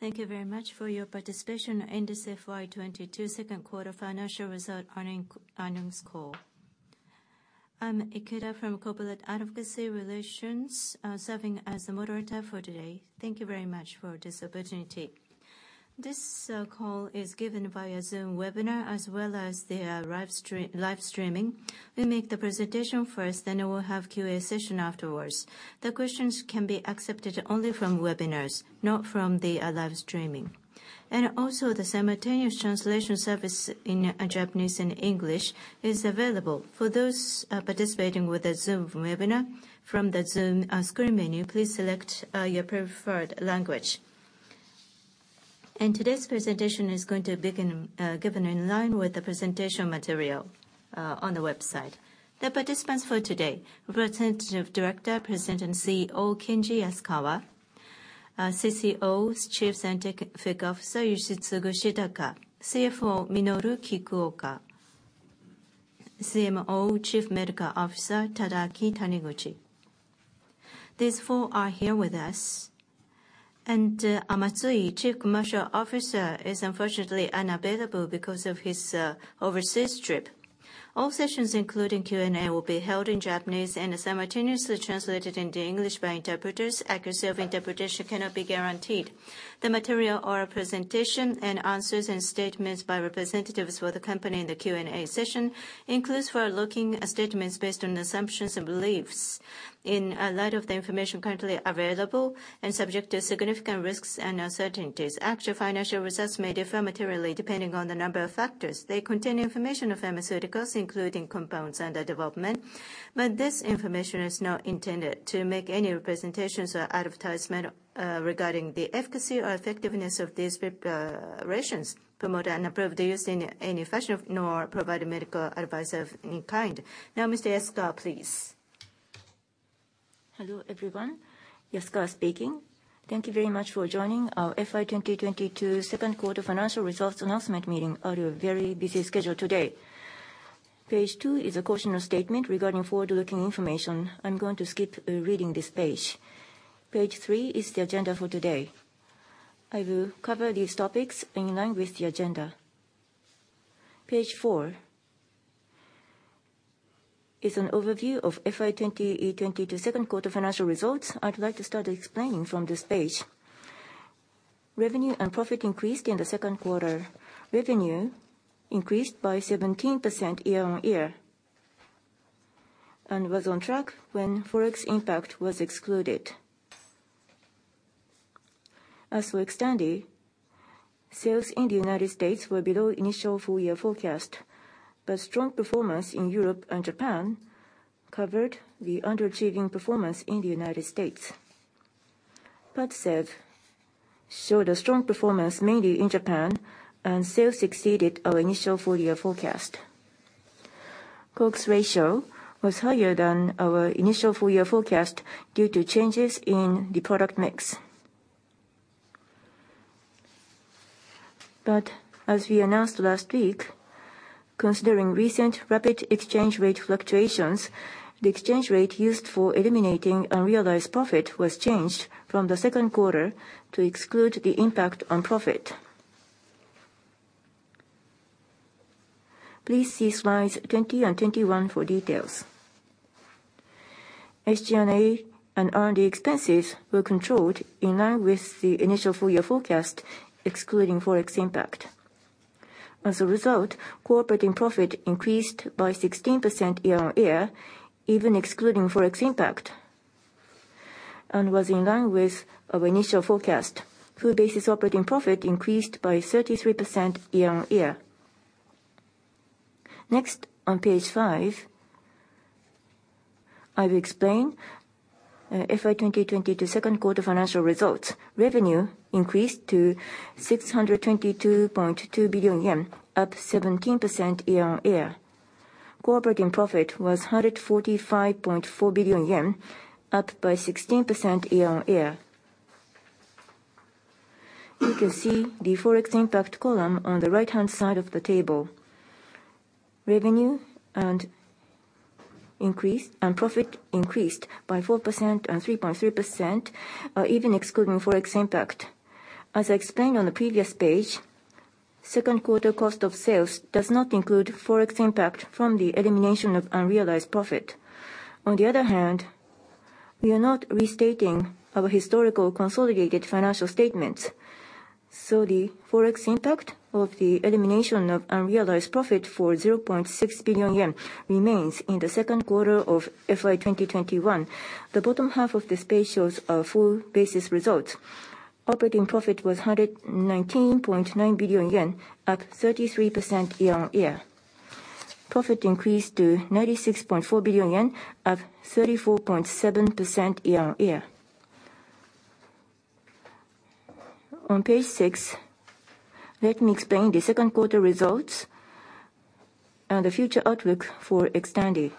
Thank you very much for your participation in this FY 2022 second quarter financial results earnings call. I'm Ikeda from Corporate Advocacy Relations, serving as the moderator for today. Thank you very much for this opportunity. This call is given via Zoom webinar as well as the live streaming. We make the presentation first, then we'll have Q&A session afterwards. The questions can be accepted only from webinars, not from the live streaming. The simultaneous translation service in Japanese and English is available. For those participating with a Zoom webinar, from the Zoom screen menu, please select your preferred language. Today's presentation is going to begin, given in line with the presentation material on the website. The participants for today, Representative Director, President and CEO, Kenji Yasukawa, CSO, Chief Scientific Officer, Yoshitsugu Shitaka, CFO, Minoru Kikuoka, CMO, Chief Medical Officer, Tadaaki Taniguchi. These four are here with us. Matsui, Chief Commercial Officer, is unfortunately unavailable because of his overseas trip. All sessions including Q&A will be held in Japanese and simultaneously translated into English by interpreters. Accuracy of interpretation cannot be guaranteed. The material or presentation and answers and statements by representatives for the company in the Q&A session includes forward-looking statements based on assumptions and beliefs in light of the information currently available and subject to significant risks and uncertainties. Actual financial results may differ materially depending on the number of factors. They contain information of pharmaceuticals including compounds under development, but this information is not intended to make any representations or advertisement regarding the efficacy or effectiveness of these preparations, promote or approve the use in any fashion or provide medical advice of any kind. Now, Mr. Yasukawa, please. Hello, everyone. Yasukawa speaking. Thank you very much for joining our FY 2022 second quarter financial results announcement meeting on your very busy schedule today. Page two is a caution statement regarding forward-looking information. I'm going to skip reading this page. Page three is the agenda for today. I will cover these topics in line with the agenda. Page four is an overview of FY 2022 second quarter financial results. I'd like to start explaining from this page. Revenue and profit increased in the second quarter. Revenue increased by 17% year-on-year and was on track when Forex impact was excluded. As for Xtandi, sales in the United States were below initial full year forecast, but strong performance in Europe and Japan covered the underachieving performance in the United States. PADCEV showed a strong performance mainly in Japan and sales exceeded our initial full year forecast. COGS ratio was higher than our initial full year forecast due to changes in the product mix. As we announced last week, considering recent rapid exchange rate fluctuations, the exchange rate used for eliminating unrealized profit was changed from the second quarter to exclude the impact on profit. Please see slides 20 and 21 for details. SG&A and R&D expenses were controlled in line with the initial full year forecast, excluding Forex impact. As a result, core operating profit increased by 16% year-on-year, even excluding Forex impact, and was in line with our initial forecast. Full basis operating profit increased by 33% year-on-year. Next on page five, I will explain FY 2022 second quarter financial results. Revenue increased to 622.2 billion yen, up 17% year-on-year. Core operating profit was 145.4 billion yen, up 16% year-on-year. You can see the Forex impact column on the right-hand side of the table. Revenue increased, and profit increased by 4% and 3.3%, even excluding Forex impact. As I explained on the previous page, second-quarter cost of sales does not include Forex impact from the elimination of unrealized profit. On the other hand, we are not restating our historical consolidated financial statements. The Forex impact of the elimination of unrealized profit for 0.6 billion yen remains in the second quarter of FY 2021. The bottom half of this page shows our full basis results. Operating profit was 119.9 billion yen, up 33% year-on-year. Profit increased to 96.4 billion yen, up 34.7% year-on-year. On page six, let me explain the second quarter results and the future outlook for Xtandi.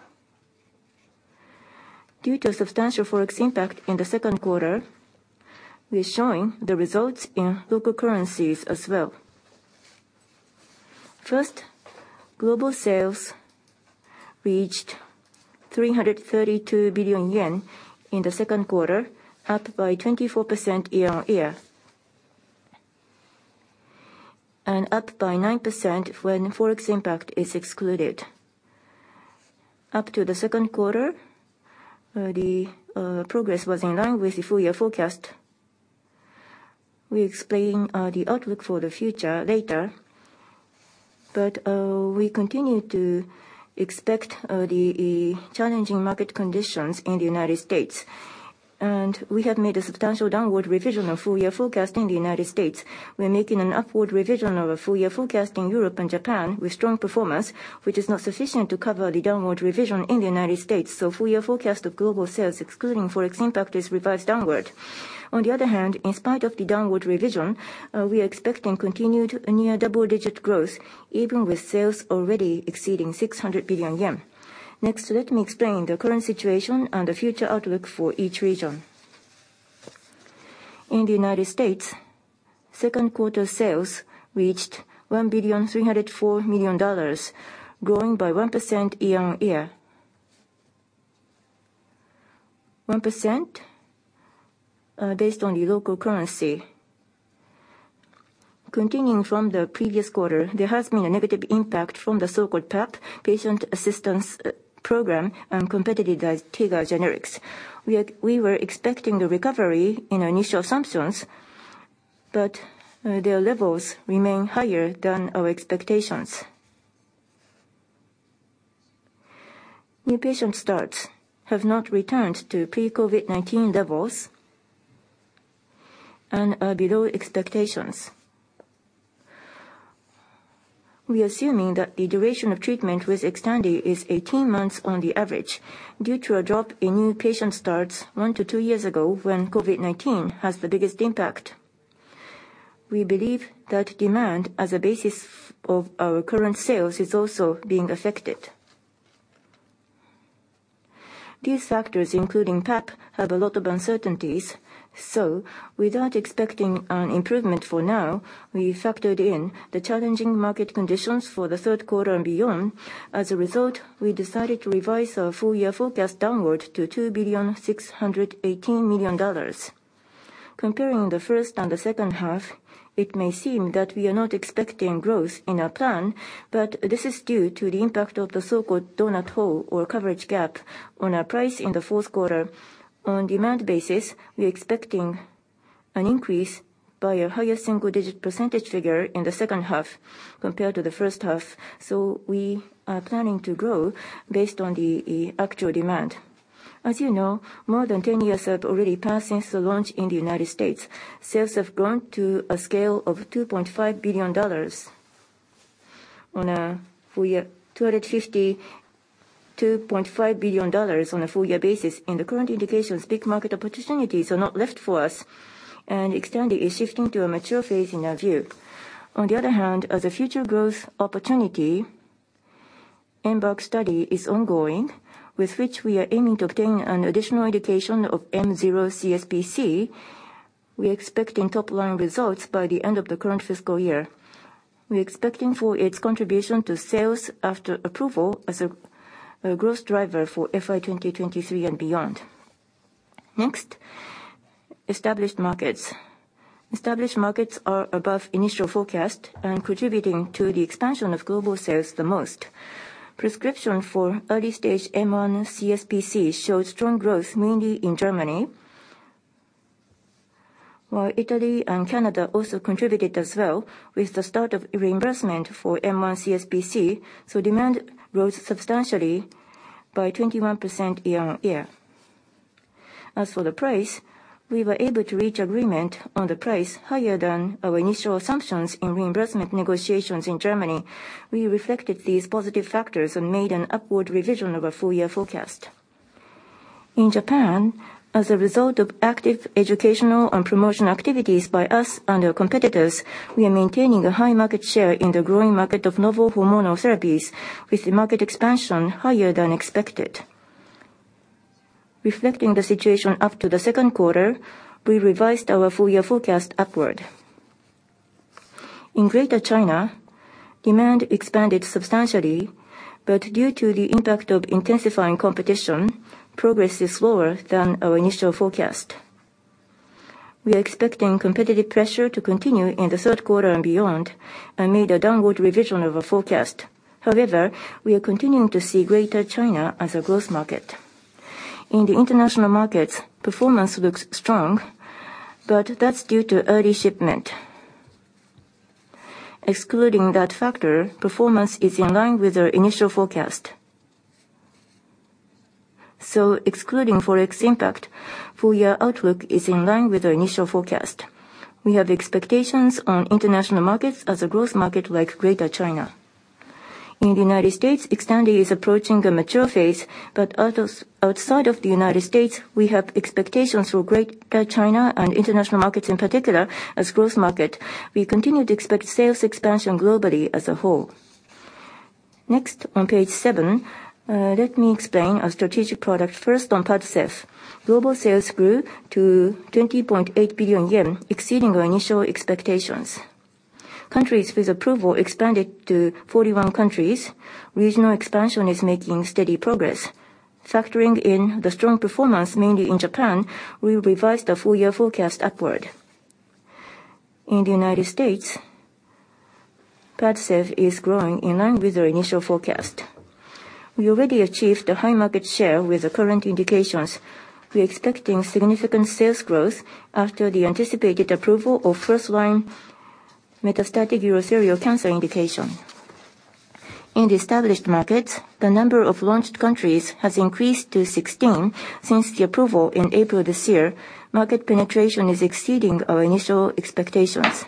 Due to substantial Forex impact in the second quarter, we are showing the results in local currencies as well. First, global sales reached 332 billion yen in the second quarter, up by 24% year-on-year. Up by 9% when Forex impact is excluded. Up to the second quarter, the progress was in line with the full-year forecast. We explain the outlook for the future later, but we continue to expect the challenging market conditions in the United States. We have made a substantial downward revision of full-year forecast in the United States. We are making an upward revision of a full year forecast in Europe and Japan with strong performance, which is not sufficient to cover the downward revision in the United States. Full year forecast of global sales excluding Forex impact is revised downward. On the other hand, in spite of the downward revision, we are expecting continued near double-digit growth even with sales already exceeding 600 billion yen. Next, let me explain the current situation and the future outlook for each region. In the United States, second quarter sales reached $1.304 billion, growing by 1% year-on-year. 1% based on the local currency. Continuing from the previous quarter, there has been a negative impact from the so-called PAP, patient assistance program and competitive Zytiga generics. We were expecting the recovery in our initial assumptions, but their levels remain higher than our expectations. New patient starts have not returned to pre-COVID-19 levels and are below expectations. We are assuming that the duration of treatment with Xtandi is 18 months on the average due to a drop in new patient starts one to two years ago when COVID-19 has the biggest impact. We believe that demand as a basis of our current sales is also being affected. These factors, including PAP, have a lot of uncertainties. Without expecting an improvement for now, we factored in the challenging market conditions for the third quarter and beyond. As a result, we decided to revise our full year forecast downward to $2.618 billion. Comparing the first and the second half, it may seem that we are not expecting growth in our plan, but this is due to the impact of the so-called donut hole or coverage gap on our price in the fourth quarter. On demand basis, we are expecting an increase by a higher single digit percentage figure in the second half compared to the first half, so we are planning to grow based on the actual demand. As you know, more than 10 years have already passed since the launch in the United States. Sales have grown to a scale of $2.5 billion on a full year, JPY 252.5 billion on a full year basis. In the current indications, big market opportunities are not left for us, and Xtandi is shifting to a mature phase in our view. On the other hand, as a future growth opportunity, EMBARK study is ongoing, with which we are aiming to obtain an additional indication of M0 CSPC. We're expecting top-line results by the end of the current fiscal year. We're expecting for its contribution to sales after approval as a growth driver for FY 2023 and beyond. Next, established markets. Established markets are above initial forecast and contributing to the expansion of global sales the most. Prescription for early-stage M1 CSPC showed strong growth mainly in Germany, while Italy and Canada also contributed as well with the start of reimbursement for M1 CSPC, so demand rose substantially by 21% year-on-year. As for the price, we were able to reach agreement on the price higher than our initial assumptions in reimbursement negotiations in Germany. We reflected these positive factors and made an upward revision of our full year forecast. In Japan, as a result of active educational and promotion activities by us and our competitors, we are maintaining a high market share in the growing market of novel hormonal therapies with the market expansion higher than expected. Reflecting the situation up to the second quarter, we revised our full year forecast upward. In Greater China, demand expanded substantially, but due to the impact of intensifying competition, progress is slower than our initial forecast. We are expecting competitive pressure to continue in the third quarter and beyond, and made a downward revision of our forecast. However, we are continuing to see Greater China as a growth market. In the international markets, performance looks strong, but that's due to early shipment. Excluding that factor, performance is in line with our initial forecast. Excluding Forex impact, full year outlook is in line with our initial forecast. We have expectations on international markets as a growth market like Greater China. In the United States, Xtandi is approaching a mature phase, but others outside of the United States, we have expectations for Greater China and international markets in particular as growth market. We continue to expect sales expansion globally as a whole. Next on page seven, let me explain our strategic product. First, on PADCEV. Global sales grew to 20.8 billion yen, exceeding our initial expectations. Countries with approval expanded to 41 countries. Regional expansion is making steady progress. Factoring in the strong performance mainly in Japan, we revised the full year forecast upward. In the United States, PADCEV is growing in line with our initial forecast. We already achieved a high market share with the current indications. We are expecting significant sales growth after the anticipated approval of first-line metastatic urothelial cancer indication. In the established markets, the number of launched countries has increased to 16 since the approval in April this year. Market penetration is exceeding our initial expectations.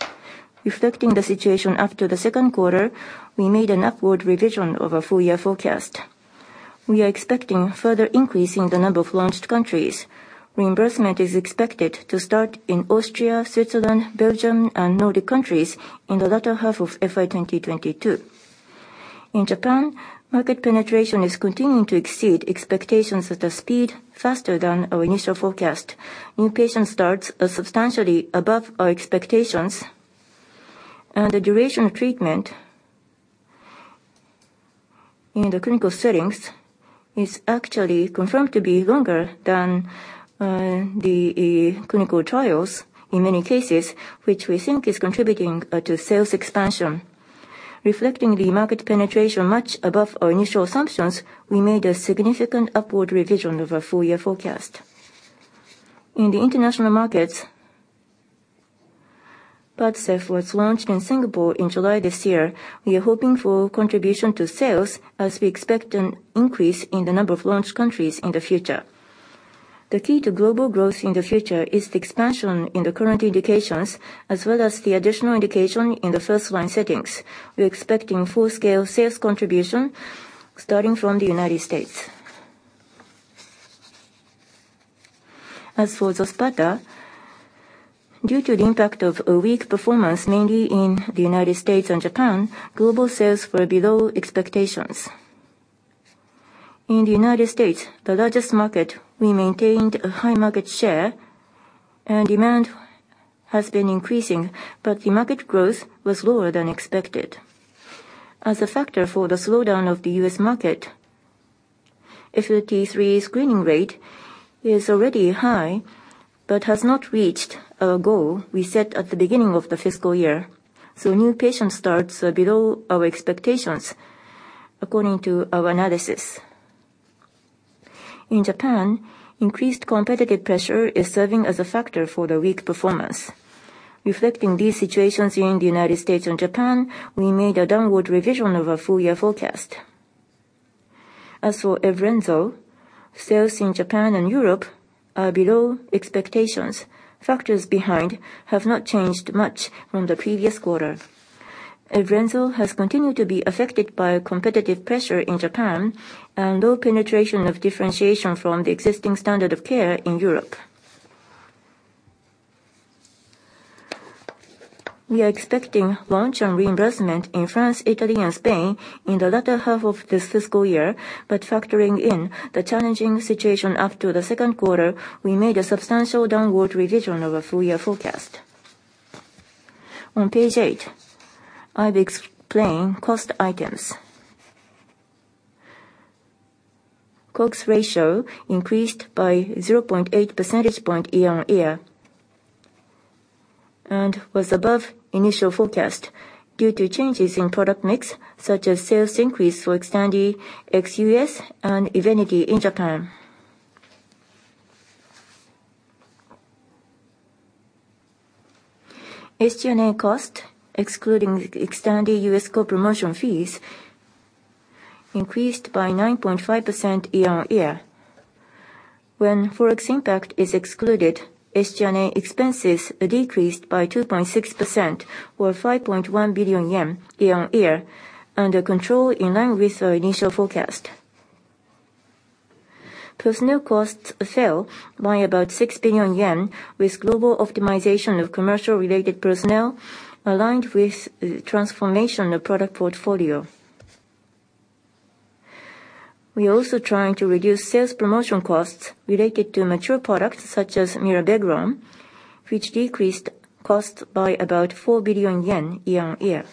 Reflecting the situation after the second quarter, we made an upward revision of our full year forecast. We are expecting further increase in the number of launched countries. Reimbursement is expected to start in Austria, Switzerland, Belgium and Nordic countries in the latter half of FY 2022. In Japan, market penetration is continuing to exceed expectations at a speed faster than our initial forecast. New patient starts are substantially above our expectations, and the duration of treatment in the clinical settings is actually confirmed to be longer than the clinical trials in many cases, which we think is contributing to sales expansion. Reflecting the market penetration much above our initial assumptions, we made a significant upward revision of our full year forecast. In the international markets, PADCEV was launched in Singapore in July this year. We are hoping for contribution to sales as we expect an increase in the number of launch countries in the future. The key to global growth in the future is the expansion in the current indications, as well as the additional indication in the first line settings. We are expecting full scale sales contribution starting from the United States. As for XOSPATA, due to the impact of a weak performance mainly in the United States and Japan, global sales were below expectations. In the United States, the largest market, we maintained a high market share and demand has been increasing, but the market growth was lower than expected. As a factor for the slowdown of the U.S. market, FLT3 screening rate is already high but has not reached our goal we set at the beginning of the fiscal year. New patient starts are below our expectations according to our analysis. In Japan, increased competitive pressure is serving as a factor for the weak performance. Reflecting these situations in the United States and Japan, we made a downward revision of our full year forecast. As for Evrenzo, sales in Japan and Europe are below expectations. Factors behind have not changed much from the previous quarter. Evrenzo has continued to be affected by competitive pressure in Japan and low penetration of differentiation from the existing standard of care in Europe. We are expecting launch and reimbursement in France, Italy and Spain in the latter half of this fiscal year. Factoring in the challenging situation after the second quarter, we made a substantial downward revision of our full year forecast. On page eight, I will explain cost items. COGS ratio increased by 0.8 percentage point year-on-year and was above initial forecast due to changes in product mix such as sales increase for Xtandi ex U.S. and Evenity in Japan. SG&A cost, excluding Xtandi U.S. co-promotion fees, increased by 9.5% year-on-year. When FX impact is excluded, SG&A expenses are decreased by 2.6% or 5.1 billion yen year-on-year, under control in line with our initial forecast. Personnel costs fell by about 6 billion yen with global optimization of commercial related personnel aligned with the transformation of product portfolio. We are also trying to reduce sales promotion costs related to mature products such as mirabegron, which decreased costs by about 4 billion yen year-on-year.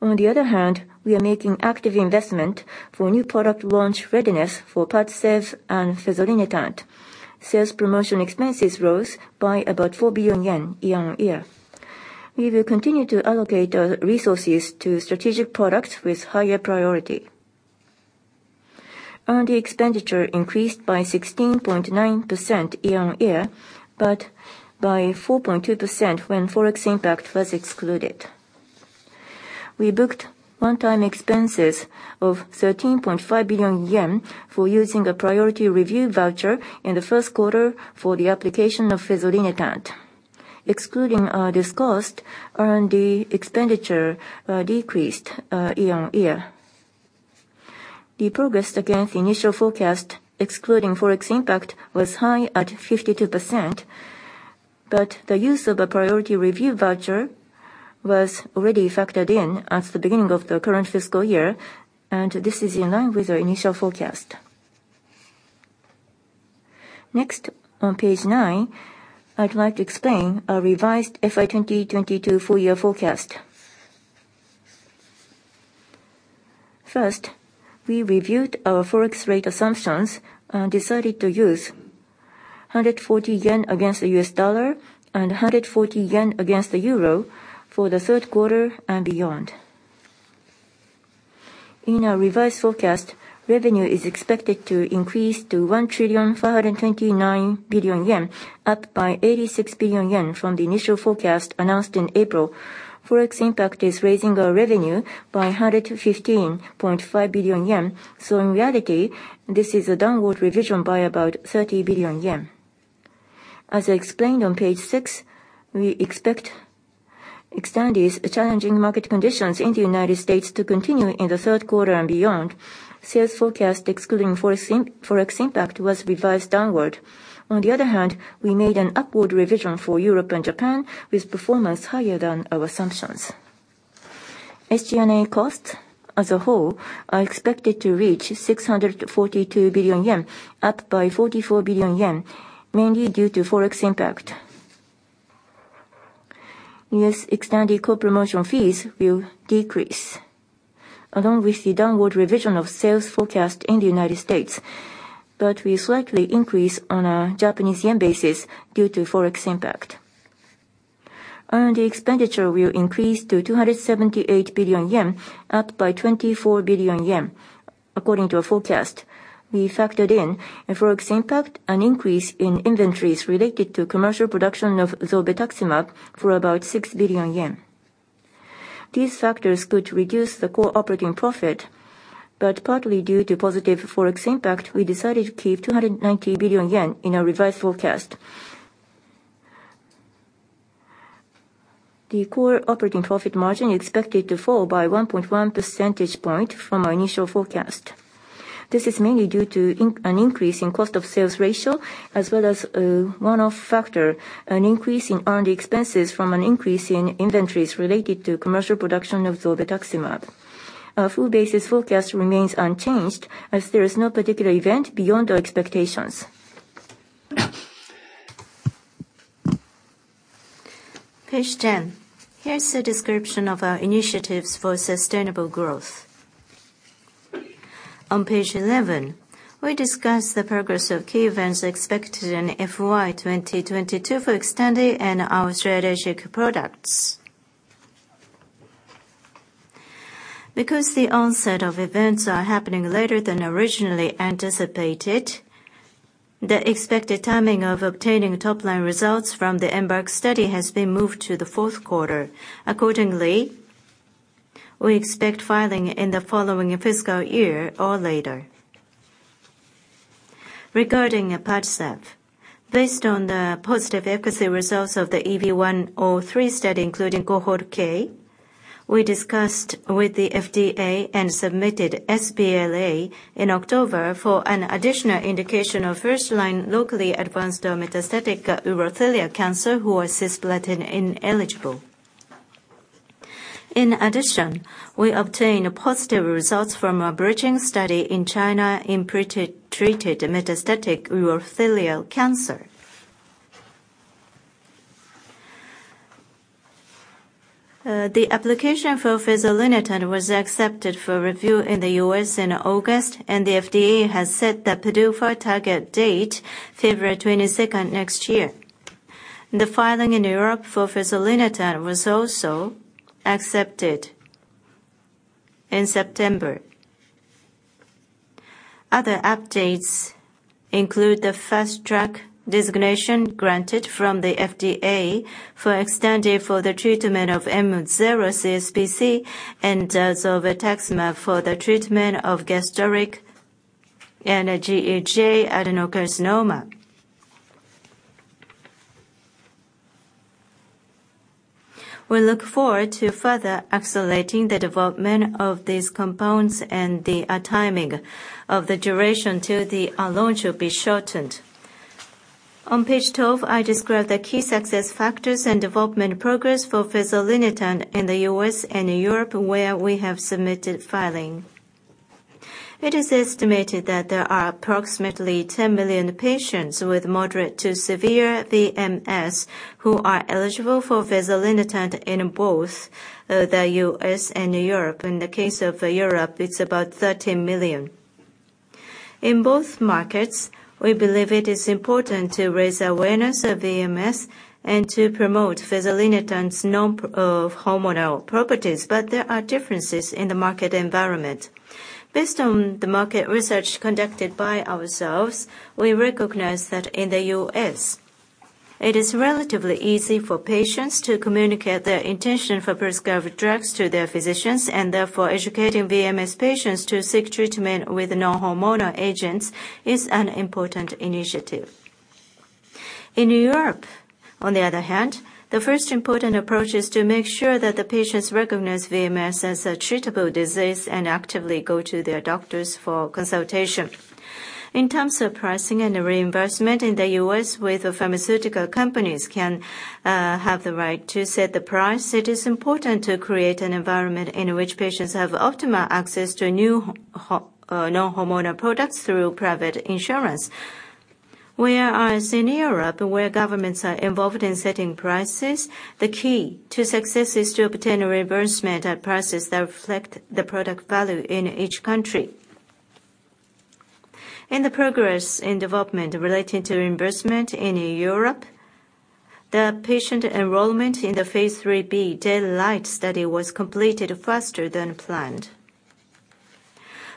On the other hand, we are making active investment for new product launch readiness for PADCEV and fezolinetant. Sales promotion expenses rose by about 4 billion yen year-on-year. We will continue to allocate our resources to strategic products with higher priority. R&D expenditure increased by 16.9% year-on-year, but by 4.2% when Forex impact was excluded. We booked one-time expenses of 13.5 billion yen for using a priority review voucher in the first quarter for the application of fezolinetant. Excluding this cost, R&D expenditure decreased year-on-year. The progress against initial forecast excluding Forex impact was high at 52%, but the use of a priority review voucher was already factored in at the beginning of the current fiscal year, and this is in line with our initial forecast. Next, on page nine, I'd like to explain our revised FY 2022 full year forecast. First, we reviewed our Forex rate assumptions and decided to use 140 yen against the U.S. dollar and 140 yen against the euro for the third quarter and beyond. In our revised forecast, revenue is expected to increase to 1,529 billion yen, up by 86 billion yen from the initial forecast announced in April. Forex impact is raising our revenue by 115.5 billion yen. In reality, this is a downward revision by about 30 billion yen. As I explained on page six, we expect Xtandi's challenging market conditions in the United States to continue in the third quarter and beyond. Sales forecast excluding Forex impact was revised downward. On the other hand, we made an upward revision for Europe and Japan with performance higher than our assumptions. SG&A costs as a whole are expected to reach 642 billion yen, up by 44 billion yen, mainly due to Forex impact. U.S. Xtandi co-promotion fees will decrease, along with the downward revision of sales forecast in the United States, but will slightly increase on a Japanese yen basis due to Forex impact. R&D expenditure will increase to 278 billion yen, up by 24 billion yen. According to our forecast, we factored in a Forex impact, an increase in inventories related to commercial production of zolbetuximab for about 6 billion yen. These factors could reduce the core operating profit, but partly due to positive Forex impact, we decided to keep 290 billion yen in our revised forecast. The core operating profit margin is expected to fall by 1.1 percentage point from our initial forecast. This is mainly due to an increase in cost of sales ratio as well as a one-off factor, an increase in R&D expenses from an increase in inventories related to commercial production of zolbetuximab. Our full basis forecast remains unchanged as there is no particular event beyond our expectations. Page 10. Here's a description of our initiatives for sustainable growth. On page 11, we discuss the progress of key events expected in FY 2022 for XTANDI and our strategic products. Because the onset of events are happening later than originally anticipated, the expected timing of obtaining top line results from the EMBARK study has been moved to the fourth quarter. Accordingly, we expect filing in the following fiscal year or later. Regarding PADCEV, based on the positive efficacy results of the EV103 study, including Cohort K, we discussed with the FDA and submitted sBLA in October for an additional indication of first-line locally advanced or metastatic urothelial cancer who are cisplatin ineligible. In addition, we obtained positive results from a bridging study in China in pre-treated metastatic urothelial cancer. The application for fezolinetant was accepted for review in the U.S. in August, and the FDA has set the PDUFA target date February 22nd next year. The filing in Europe for fezolinetant was also accepted in September. Other updates include the Fast Track designation granted from the FDA for Xtandi for the treatment of M0 CSPC and zolbetuximab for the treatment of gastric and GEJ adenocarcinoma. We look forward to further accelerating the development of these compounds and the timing of the duration till the launch will be shortened. On page 12, I describe the key success factors and development progress for fezolinetant in the U.S. and Europe, where we have submitted filing. It is estimated that there are approximately 10 million patients with moderate to severe VMS who are eligible for fezolinetant in both the U.S. and Europe. In the case of Europe, it's about 13 million. In both markets, we believe it is important to raise awareness of VMS and to promote fezolinetant's non-hormonal properties. But there are differences in the market environment. Based on the market research conducted by ourselves, we recognize that in the U.S. it is relatively easy for patients to communicate their intention for prescribed drugs to their physicians, and therefore educating menopausal patients to seek treatment with non-hormonal agents is an important initiative. In Europe, on the other hand, the first important approach is to make sure that the patients recognize VMS as a treatable disease and actively go to their doctors for consultation. In terms of pricing and reimbursement, in the U.S. where pharmaceutical companies can have the right to set the price. It is important to create an environment in which patients have optimal access to new non-hormonal products through private insurance. Whereas in Europe, where governments are involved in setting prices, the key to success is to obtain a reimbursement at prices that reflect the product value in each country. In the progress in development relating to reimbursement in Europe, the patient enrollment in the phase III-B DAYLIGHT study was completed faster than planned.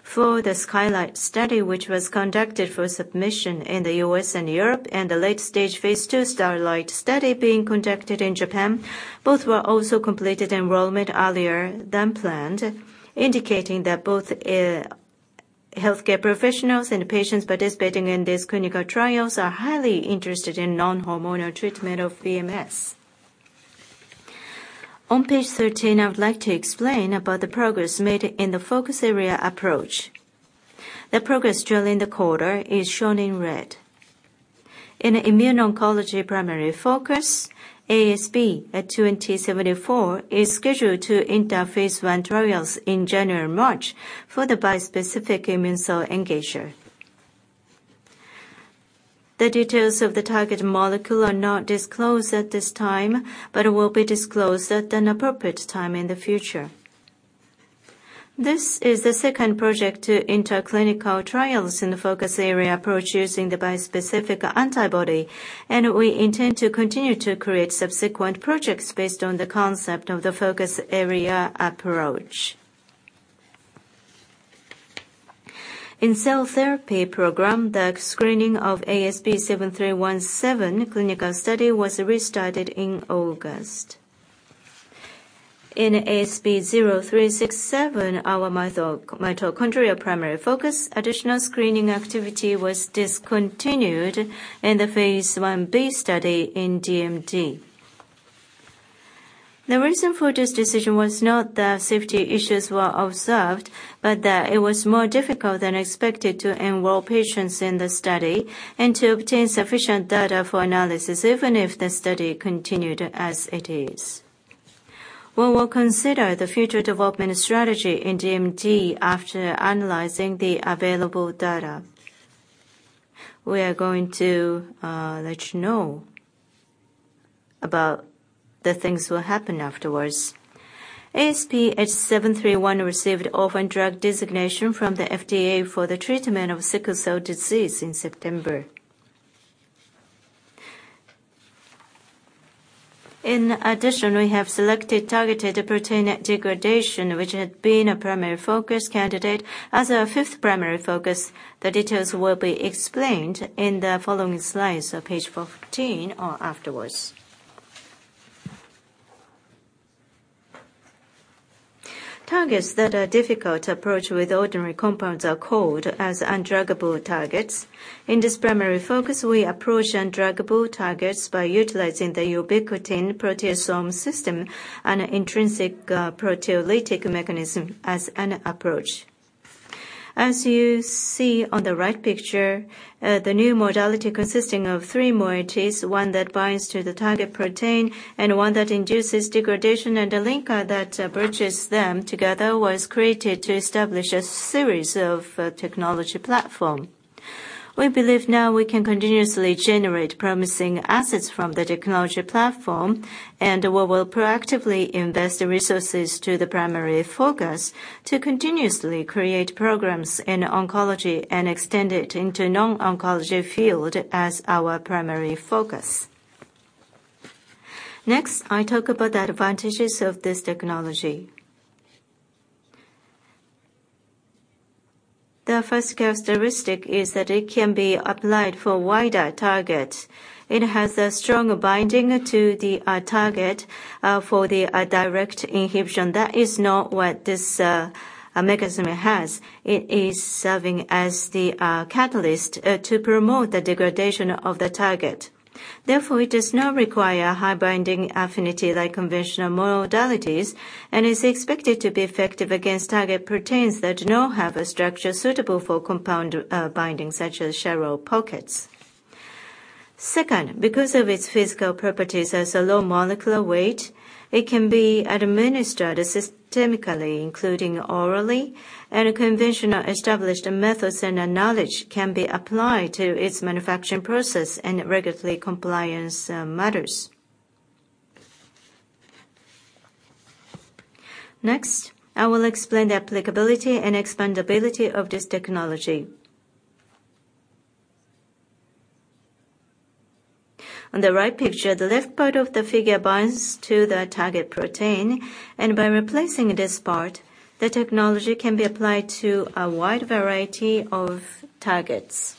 For the SKYLIGHT study, which was conducted for submission in the U.S. and Europe, and the late stage phase II STARLIGHT study being conducted in Japan, both were also completed enrollment earlier than planned, indicating that both, healthcare professionals and patients participating in these clinical trials are highly interested in non-hormonal treatment of VMS. On page 13, I would like to explain about the progress made in the Focus Area Approach. The progress during the quarter is shown in red. In immune oncology primary focus, ASP-2074 is scheduled to enter phase I trials in January and March for the bispecific immune cell engager. The details of the target molecule are not disclosed at this time, but will be disclosed at an appropriate time in the future. This is the second project to enter clinical trials in the Focus Area Approach using the bispecific antibody, and we intend to continue to create subsequent projects based on the concept of the Focus Area Approach. In cell therapy program, the screening of ASP7317 clinical study was restarted in August. In ASP0367, our mitochondrial primary focus, additional screening activity was discontinued in the phase I-B study in DMD. The reason for this decision was not that safety issues were observed, but that it was more difficult than expected to enroll patients in the study and to obtain sufficient data for analysis, even if the study continued as it is. We will consider the future development strategy in DMD after analyzing the available data. We are going to let you know about the things will happen afterwards. ASP7317 received orphan drug designation from the FDA for the treatment of sickle cell disease in September. In addition, we have selected targeted protein degradation, which had been a primary focus candidate. As our fifth primary focus, the details will be explained in the following slides of page 14 or afterwards. Targets that are difficult to approach with ordinary compounds are called as undruggable targets. In this primary focus, we approach undruggable targets by utilizing the ubiquitin-proteasome system and intrinsic proteolytic mechanism as an approach. As you see on the right picture, the new modality consisting of three moieties, one that binds to the target protein and one that induces degradation and a linker that bridges them together, was created to establish a series of technology platform. We believe now we can continuously generate promising assets from the technology platform, and we will proactively invest the resources to the primary focus to continuously create programs in oncology and extend it into non-oncology field as our primary focus. Next, I talk about the advantages of this technology. The first characteristic is that it can be applied for wider targets. It has a stronger binding to the target for the direct inhibition. That is not what this mechanism has. It is serving as the catalyst to promote the degradation of the target. Therefore, it does not require high binding affinity like conventional modalities and is expected to be effective against target proteins that do not have a structure suitable for compound binding, such as shallow pockets. Second, because of its physical properties as a low molecular weight, it can be administered systemically, including orally, and conventional established methods and a knowledge can be applied to its manufacturing process and regulatory compliance matters. Next, I will explain the applicability and expandability of this technology. On the right picture, the left part of the figure binds to the target protein, and by replacing this part, the technology can be applied to a wide variety of targets.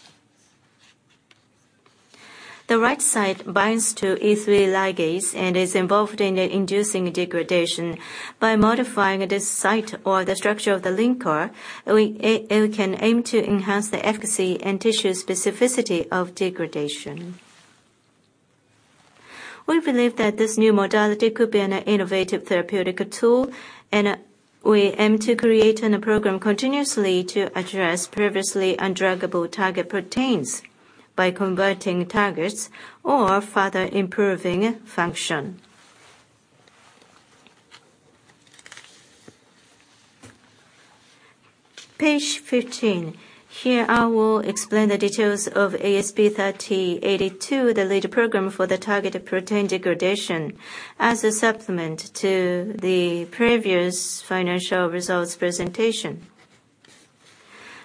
The right side binds to E3 ligase and is involved in the inducing degradation. By modifying this site or the structure of the linker, we can aim to enhance the efficacy and tissue specificity of degradation. We believe that this new modality could be an innovative therapeutic tool, and we aim to create a program continuously to address previously undruggable target proteins by converting targets or further improving function. Page 15. Here I will explain the details of ASP3082, the lead program for targeted protein degradation as a supplement to the previous financial results presentation.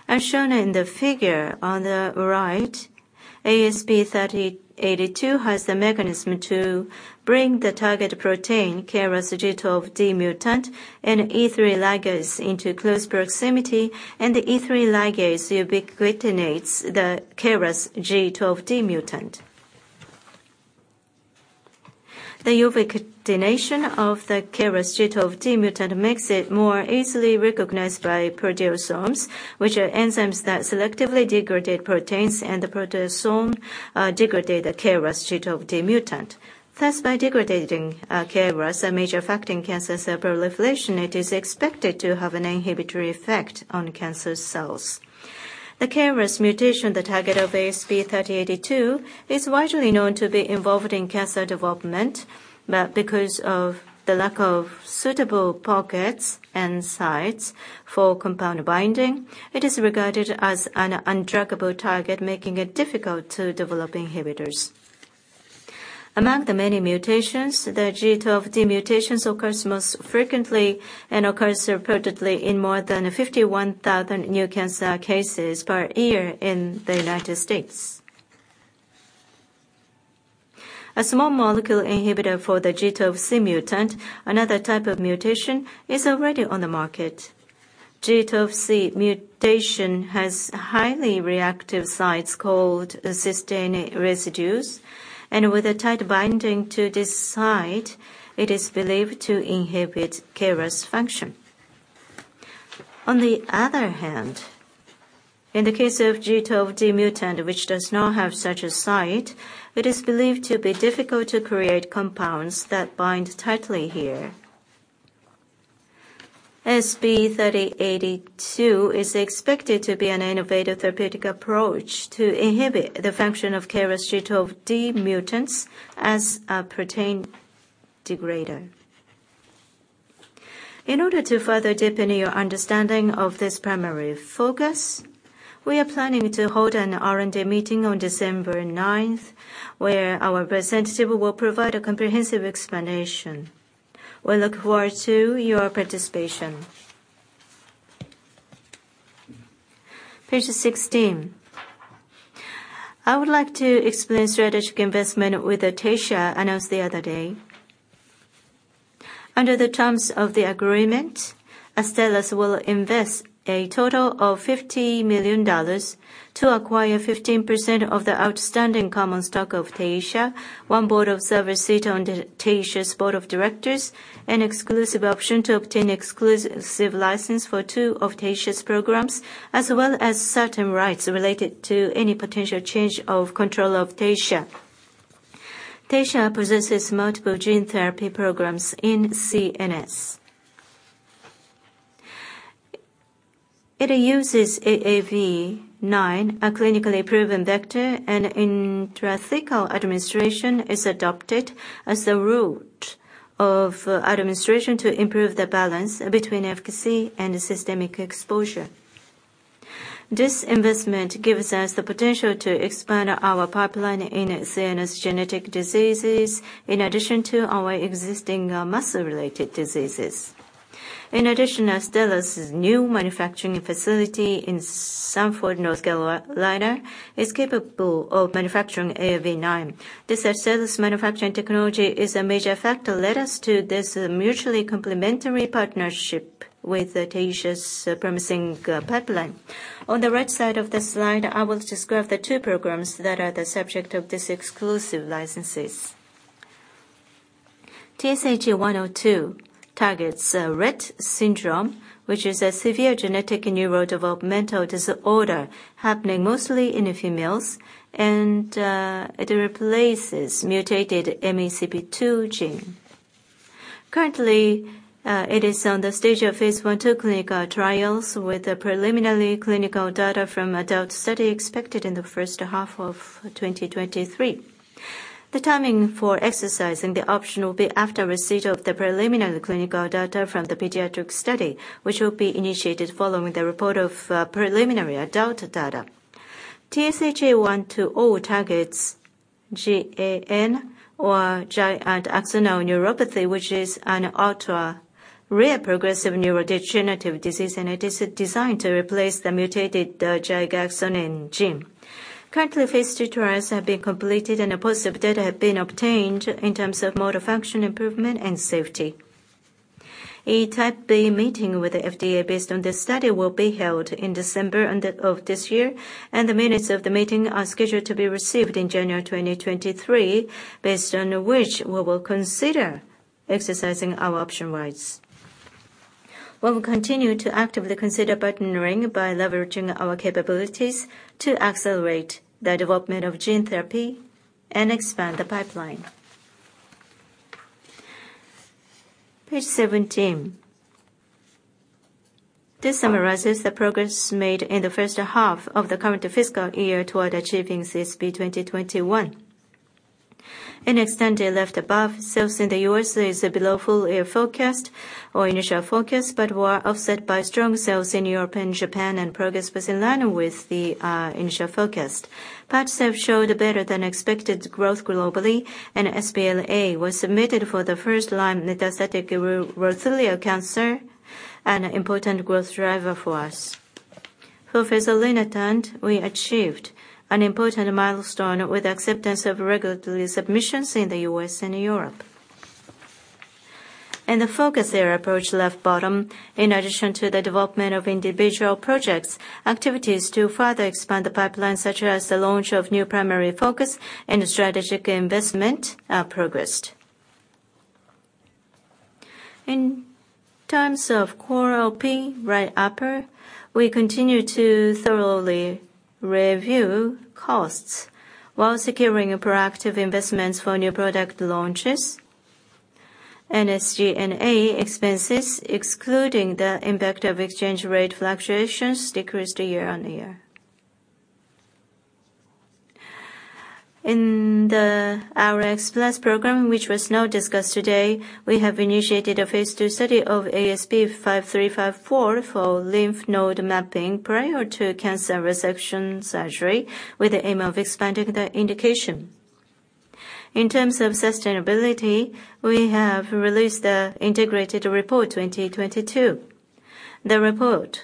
As shown in the figure on the right, ASP3082 has the mechanism to bring the target protein KRAS G12D mutant and E3 ligase into close proximity, and the E3 ligase ubiquitinates the KRAS G12D mutant. The ubiquitination of the KRAS G12D mutant makes it more easily recognized by proteasomes, which are enzymes that selectively degrade proteins, and the proteasome degrades the KRAS G12D mutant. Thus by degrading KRAS, a major effect in cancer cell proliferation, it is expected to have an inhibitory effect on cancer cells. The KRAS mutation, the target of ASP3082, is widely known to be involved in cancer development, but because of the lack of suitable pockets and sites for compound binding, it is regarded as an undruggable target, making it difficult to develop inhibitors. Among the many mutations, the G12D mutations occurs most frequently and occurs reportedly in more than 51,000 new cancer cases per year in the United States. A small molecule inhibitor for the G12C mutant, another type of mutation, is already on the market. G12C mutation has highly reactive sites called cysteine residues, and with a tight binding to this site, it is believed to inhibit KRAS function. On the other hand, in the case of KRAS G12D mutant, which does not have such a site, it is believed to be difficult to create compounds that bind tightly here. ASP3082 is expected to be an innovative therapeutic approach to inhibit the function of KRAS G12D mutants as a protein degrader. In order to further deepen your understanding of this primary focus, we are planning to hold an R&D meeting on December ninth, where our representative will provide a comprehensive explanation. We look forward to your participation. Page sixteen. I would like to explain strategic investment with Taysha announced the other day. Under the terms of the agreement, Astellas will invest a total of $50 million to acquire 15% of the outstanding common stock of Taysha, one board observer seat on Taysha's board of directors, an exclusive option to obtain exclusive license for two of Taysha's programs, as well as certain rights related to any potential change of control of Taysha. Taysha possesses multiple gene therapy programs in CNS. It uses AAV9, a clinically proven vector, and intrathecal administration is adopted as the route of administration to improve the balance between efficacy and systemic exposure. This investment gives us the potential to expand our pipeline in CNS genetic diseases in addition to our existing muscle-related diseases. In addition, Astellas' new manufacturing facility in Sanford, North Carolina, is capable of manufacturing AAV9. This Astellas manufacturing technology is a major factor led us to this mutually complementary partnership with Taysha's promising pipeline. On the right side of the slide, I will describe the two programs that are the subject of this exclusive licenses. TSHA-102 targets Rett syndrome, which is a severe genetic neurodevelopmental disorder happening mostly in females and it replaces mutated MECP2 gene. Currently it is on the stage of phase I/II clinical trials with a preliminary clinical data from adult study expected in the first half of 2023. The timing for exercising the option will be after receipt of the preliminary clinical data from the pediatric study, which will be initiated following the report of preliminary adult data. TSHA-120 targets GAN or giant axonal neuropathy, which is an ultra-rare progressive neurodegenerative disease, and it is designed to replace the mutated giant axonal gene. Currently, phase II trials have been completed and positive data have been obtained in terms of motor function improvement and safety. A Type B meeting with the FDA based on this study will be held in December of this year, and the minutes of the meeting are scheduled to be received in January 2023, based on which we will consider exercising our option rights. We will continue to actively consider partnering by leveraging our capabilities to accelerate the development of gene therapy and expand the pipeline. Page 17. This summarizes the progress made in the first half of the current fiscal year toward achieving CSP 2021. In the table above, sales in the U.S. are below full year forecast or initial forecast, but were offset by strong sales in Europe and Japan, and progress was in line with the initial forecast. PADCEV showed better than expected growth globally, and sBLA was submitted for the first line metastatic urothelial cancer, an important growth driver for us. For fezolinetant, we achieved an important milestone with acceptance of regulatory submissions in the U.S. and Europe. In the Focus Area Approach left bottom, in addition to the development of individual projects, activities to further expand the pipeline, such as the launch of new primary focus and strategic investment, progressed. In terms of core OP, right upper, we continue to thoroughly review costs while securing proactive investments for new product launches. SG&A expenses, excluding the impact of exchange rate fluctuations, decreased year-on-year. In the Rx+ program, which was not discussed today, we have initiated a phase II study of ASP5354 for lymph node mapping prior to cancer resection surgery, with the aim of expanding the indication. In terms of sustainability, we have released the integrated report 2022. The report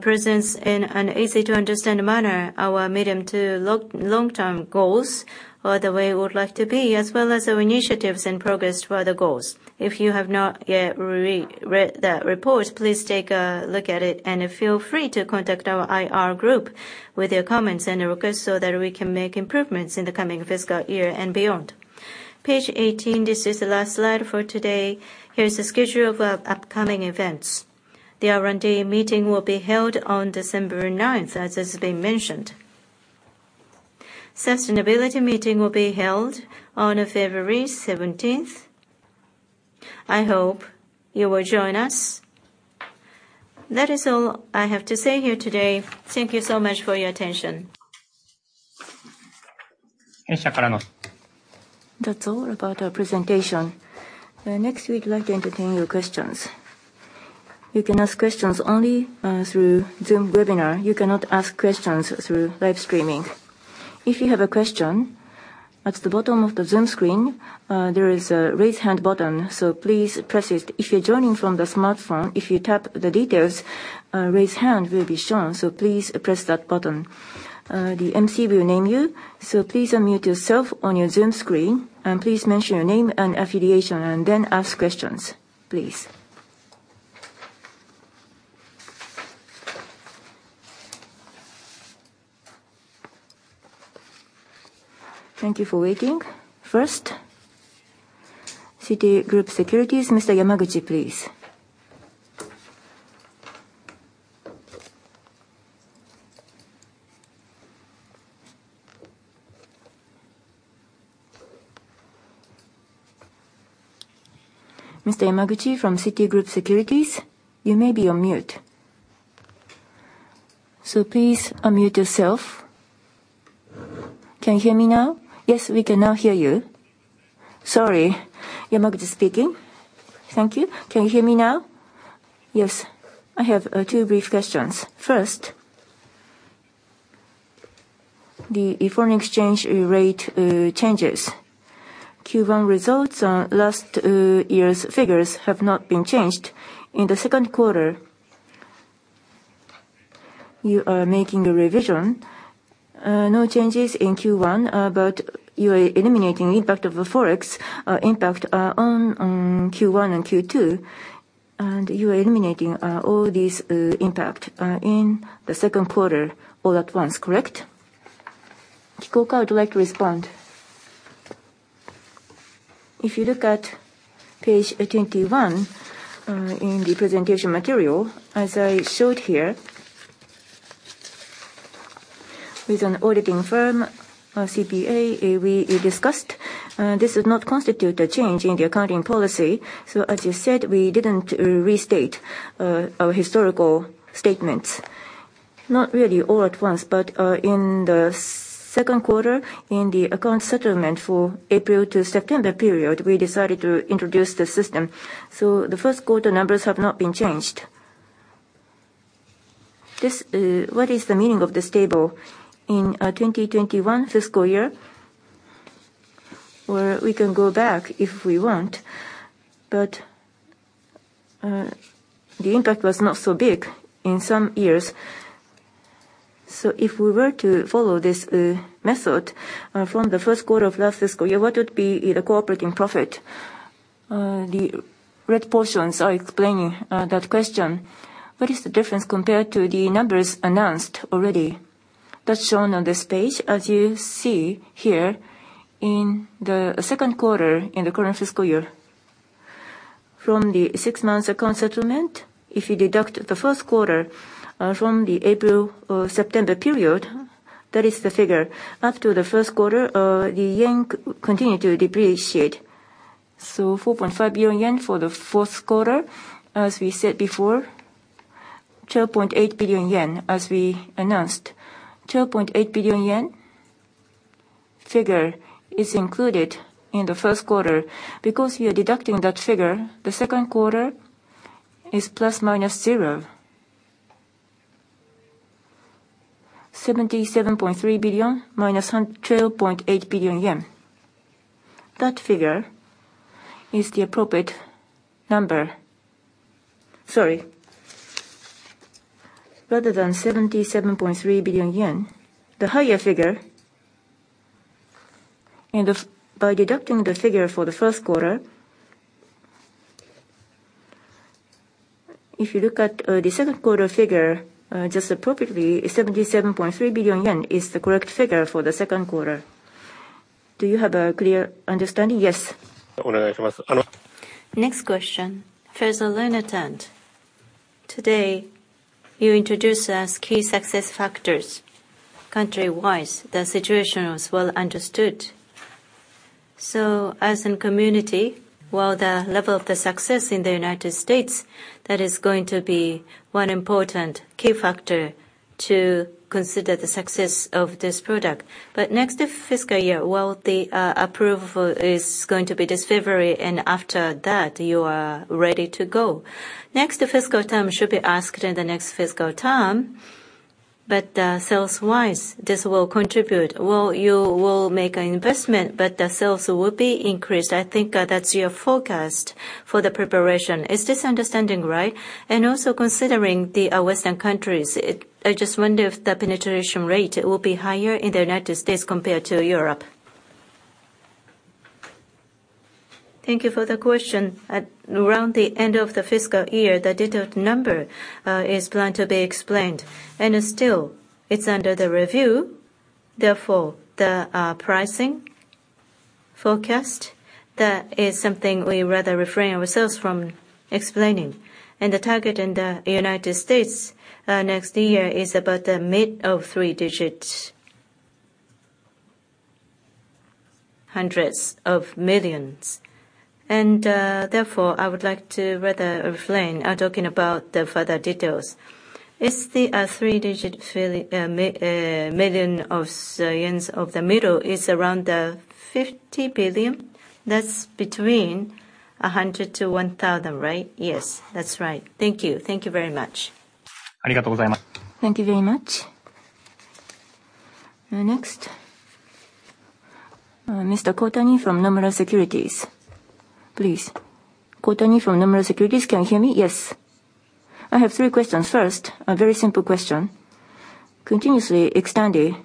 presents in an easy-to-understand manner our medium- to long-term goals, or the way we would like to be, as well as our initiatives and progress for the goals. If you have not yet re-read that report, please take a look at it and feel free to contact our IR group with your comments and requests so that we can make improvements in the coming fiscal year and beyond. Page 18. This is the last slide for today. Here's the schedule of our upcoming events. The R&D meeting will be held on December 9th, as has been mentioned. Sustainability meeting will be held on February 17th. I hope you will join us. That is all I have to say here today. Thank you so much for your attention. That's all about our presentation. Next, we'd like to entertain your questions. You can ask questions only through Zoom webinar. You cannot ask questions through live streaming. If you have a question, at the bottom of the Zoom screen, there is a raise hand button, so please press it. If you're joining from the smartphone, if you tap the details, a raise hand will be shown, so please press that button. The MC will name you, so please unmute yourself on your Zoom screen and please mention your name and affiliation, and then ask questions, please. Thank you for waiting. First, Citigroup Global Markets Japan Inc., Mr. Yamaguchi, please. Mr. Yamaguchi from Citigroup Global Markets Japan Inc., you may be on mute. So please unmute yourself. Can you hear me now? Yes, we can now hear you. Sorry. Yamaguchi speaking. Thank you. Can you hear me now? Yes. I have two brief questions. First, the foreign exchange rate changes. Q1 results on last year's figures have not been changed. In the second quarter, you are making a revision. No changes in Q1, but you are eliminating impact of the Forex impact on Q1 and Q2, and you are eliminating all this impact in the second quarter all at once, correct? Kikuoka would like to respond. If you look at page 21 in the presentation material, as I showed here, with an auditing firm, CPA, we discussed, this does not constitute a change in the accounting policy. As you said, we didn't restate our historical statements. Not really all at once, but in the second quarter, in the account settlement for April to September period, we decided to introduce the system. The first quarter numbers have not been changed. This, what is the meaning of this table? In 2021 fiscal year, where we can go back if we want, but the impact was not so big in some years. If we were to follow this method from the first quarter of last fiscal year, what would be the core operating profit? The red portions are explaining that question. What is the difference compared to the numbers announced already? That's shown on this page. As you see here, in the second quarter in the current fiscal year, from the six months account settlement, if you deduct the first quarter from the April-September period, that is the figure. Up to the first quarter, the yen continue to depreciate. So 4.5 billion yen for the fourth quarter. As we said before, 2.8 billion yen as we announced. 2.8 billion yen figure is included in the first quarter. Because we are deducting that figure, the second quarter is ±0. JPY 77.3 billion - 2.8 billion yen. That figure is the appropriate number. Sorry. Rather than 77.3 billion yen, the higher figure. By deducting the figure for the first quarter, if you look at the second quarter figure just appropriately, 77.3 billion yen is the correct figure for the second quarter. Do you have a clear understanding? Yes. Next question, Farza Leonitant. Today, you introduced as key success factors country-wise, the situation was well understood. As in community, while the level of the success in the United States, that is going to be one important key factor to consider the success of this product. Next fiscal year, while the approval is going to be this February, and after that you are ready to go. Next fiscal term should be asked in the next fiscal term, but sales-wise, this will contribute. Well, you will make an investment, but the sales will be increased. I think that's your forecast for the preparation. Is this understanding right? Also considering the Western countries, I just wonder if the penetration rate will be higher in the United States compared to Europe. Thank you for the question. At around the end of the fiscal year, the detailed number is planned to be explained. Still, it's under the review, therefore the pricing forecast, that is something we rather refrain ourselves from explaining. The target in the United States next year is about the mid of three digits. Hundreds of millions. Therefore, I would like to rather refrain talking about the further details. Is the three-digit billion yen of the middle around JPY 500 billion? That's between 100 billion-1,000 billion, right? Yes, that's right. Thank you. Thank you very much. Thank you very much. Next, Mr. Kotani from Nomura Securities. Please. Kotani from Nomura Securities, can you hear me? Yes. I have three questions. First, a very simple question. Continuing Xtandi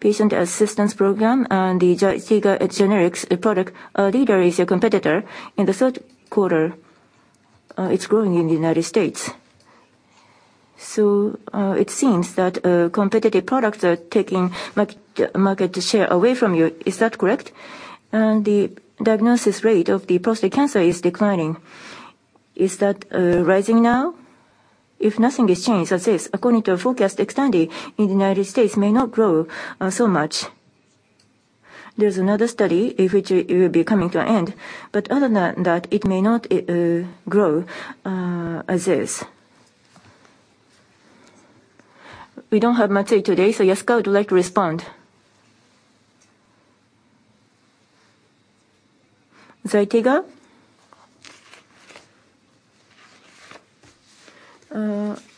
patient assistance program and the Zytiga generics product, our leader is a competitor. In the third quarter, it's growing in the United States. It seems that competitive products are taking market share away from you. Is that correct? The diagnosis rate of prostate cancer is declining. Is that rising now? If nothing has changed, as is, according to our forecast, Xtandi in the United States may not grow so much. There's another study in which it will be coming to an end, but other than that, it may not grow as is. We don't have Matsui today, so Yasukawa, would you like to respond? Zytiga?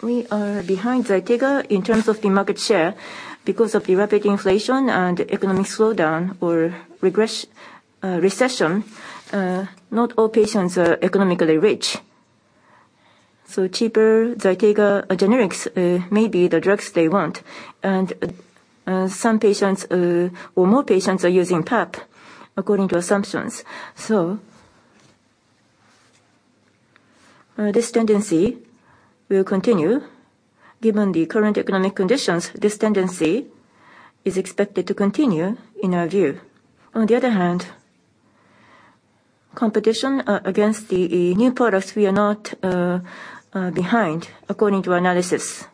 We are behind Zytiga in terms of the market share because of the rapid inflation and economic slowdown or recession. Not all patients are economically rich. Cheaper Zytiga generics may be the drugs they want. Some patients or more patients are using PAP according to assumptions. This tendency will continue. Given the current economic conditions, this tendency is expected to continue in our view. On the other hand, competition against the new products, we are not behind according to analysis.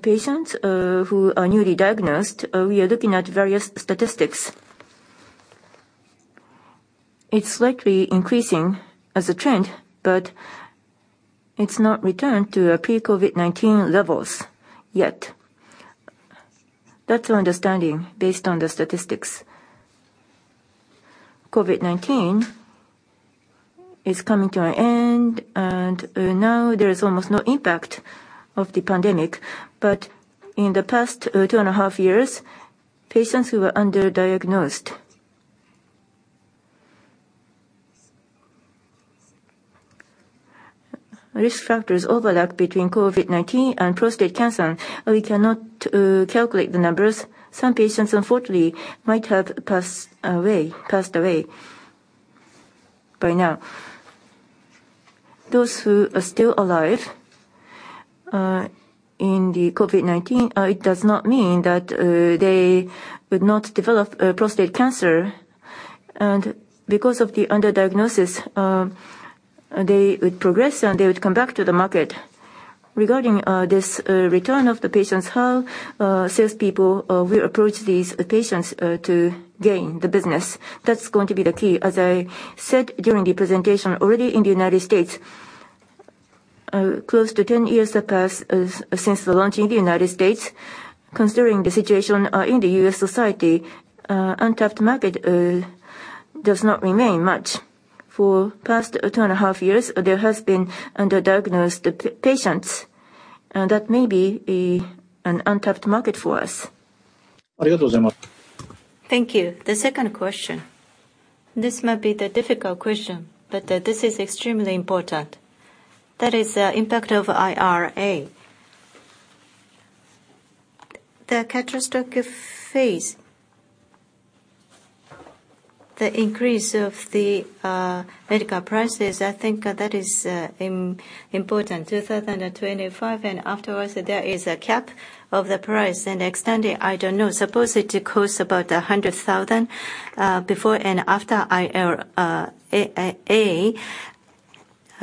Patients who are newly diagnosed, we are looking at various statistics. It's slightly increasing as a trend, but it's not returned to pre-COVID-19 levels yet. That's our understanding based on the statistics. COVID-19 is coming to an end, and now there is almost no impact of the pandemic. In the past, 2.5 years, patients who were under-diagnosed. Risk factors overlap between COVID-19 and prostate cancer. We cannot calculate the numbers. Some patients unfortunately might have passed away by now. Those who are still alive, in the COVID-19, it does not mean that they would not develop prostate cancer. Because of the under-diagnosis, they would progress and they would come back to the market. Regarding this return of the patients, how salespeople will approach these patients to gain the business, that's going to be the key. As I said during the presentation, already in the United States, close to 10 years have passed since the launch in the United States. Considering the situation in the U.S. society, untapped market does not remain much. For the past 2.5 years, there has been under-diagnosed patients, and that may be an untapped market for us. Thank you. The second question, this might be the difficult question, but this is extremely important. That is the impact of IRA. The catastrophic phase. The increase of the medical prices, I think, that is important. 2025 and afterwards, there is a cap of the price.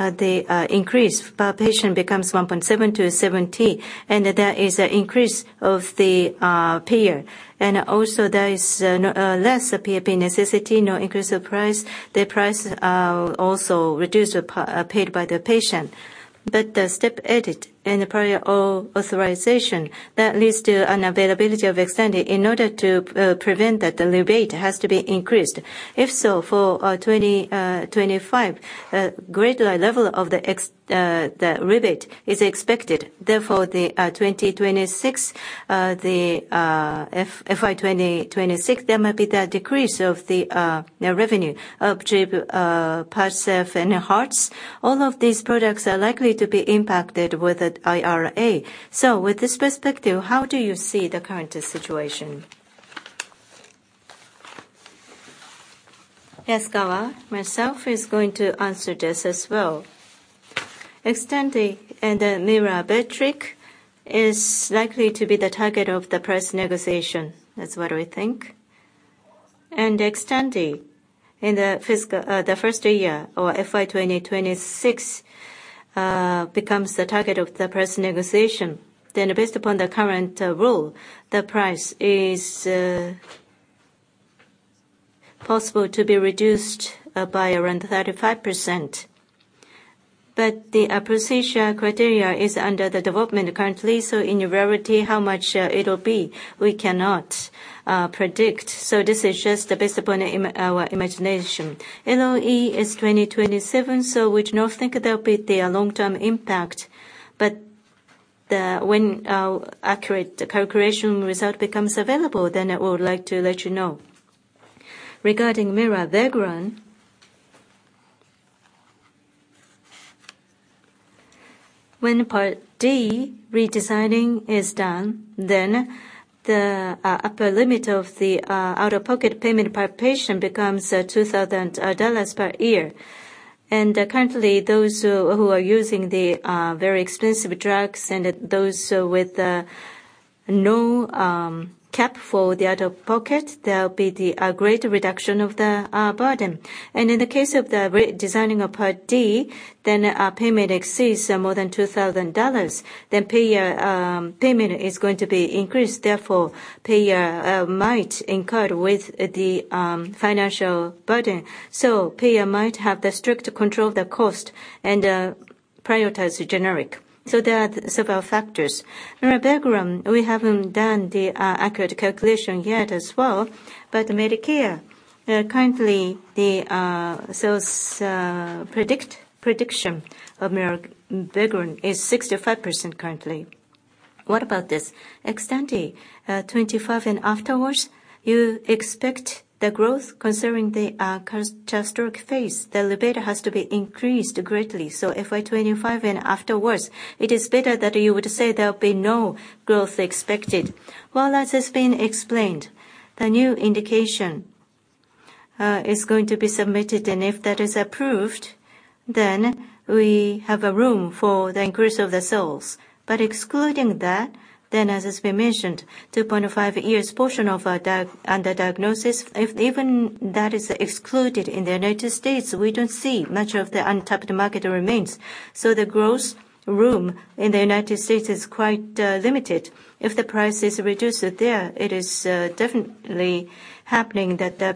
Xtandi, I don't know, supposedly it costs about $100,000. Before and after IRA, the increase per patient becomes 1.727 times, and there is an increase of the payer. Also there is less PP necessity, no increase of price. The price also reduced paid by the patient. The step therapy and prior authorization that leads to unavailability of Xtandi. In order to prevent that, the rebate has to be increased. If so, for 2025, a greater level of the rebate is expected. Therefore, FY 2026, there might be the decrease of the revenue of Prograf and Harnal. All of these products are likely to be impacted with the IRA. With this perspective, how do you see the current situation? Yasukawa myself is going to answer this as well. Xtandi and Myrbetriq is likely to be the target of the price negotiation. That's what we think. Xtandi, in the fiscal, the first year or FY 2026, becomes the target of the price negotiation. Based upon the current rule, the price is possible to be reduced by around 35%. The procedure criteria is under development currently. In reality, how much it'll be, we cannot predict. This is just based upon our imagination. LOE is 2027, so we do not think there'll be the long-term impact. When our accurate calculation result becomes available, then I would like to let you know. Regarding mirabegron, when Part D redesigning is done, then the upper limit of the out-of-pocket payment per patient becomes $2,000 per year. Currently, those who are using the very expensive drugs and those with no cap for the out-of-pocket, there'll be a great reduction of the burden. In the case of the redesigning of Part D, then our payment exceeds more than $2,000, then payer payment is going to be increased. Therefore, payer might incur with the financial burden. Payer might have the strict control of the cost and prioritize generic. There are several factors. Mirabegron, we haven't done the accurate calculation yet as well. Medicare currently the sales prediction of mirabegron is 65% currently. What about this? Xtandi 25% and afterwards, you expect the growth concerning the catastrophic phase. The rebate has to be increased greatly. FY 2025 and afterwards, it is better that you would say there'll be no growth expected. Well, as has been explained, the new indication is going to be submitted, and if that is approved, then we have a room for the increase of the sales. Excluding that, then as has been mentioned, 2.5 years portion of our under-diagnosis. If even that is excluded in the United States, we don't see much of the untapped market remains. The growth room in the United States is quite limited. If the price is reduced there, it is definitely happening that the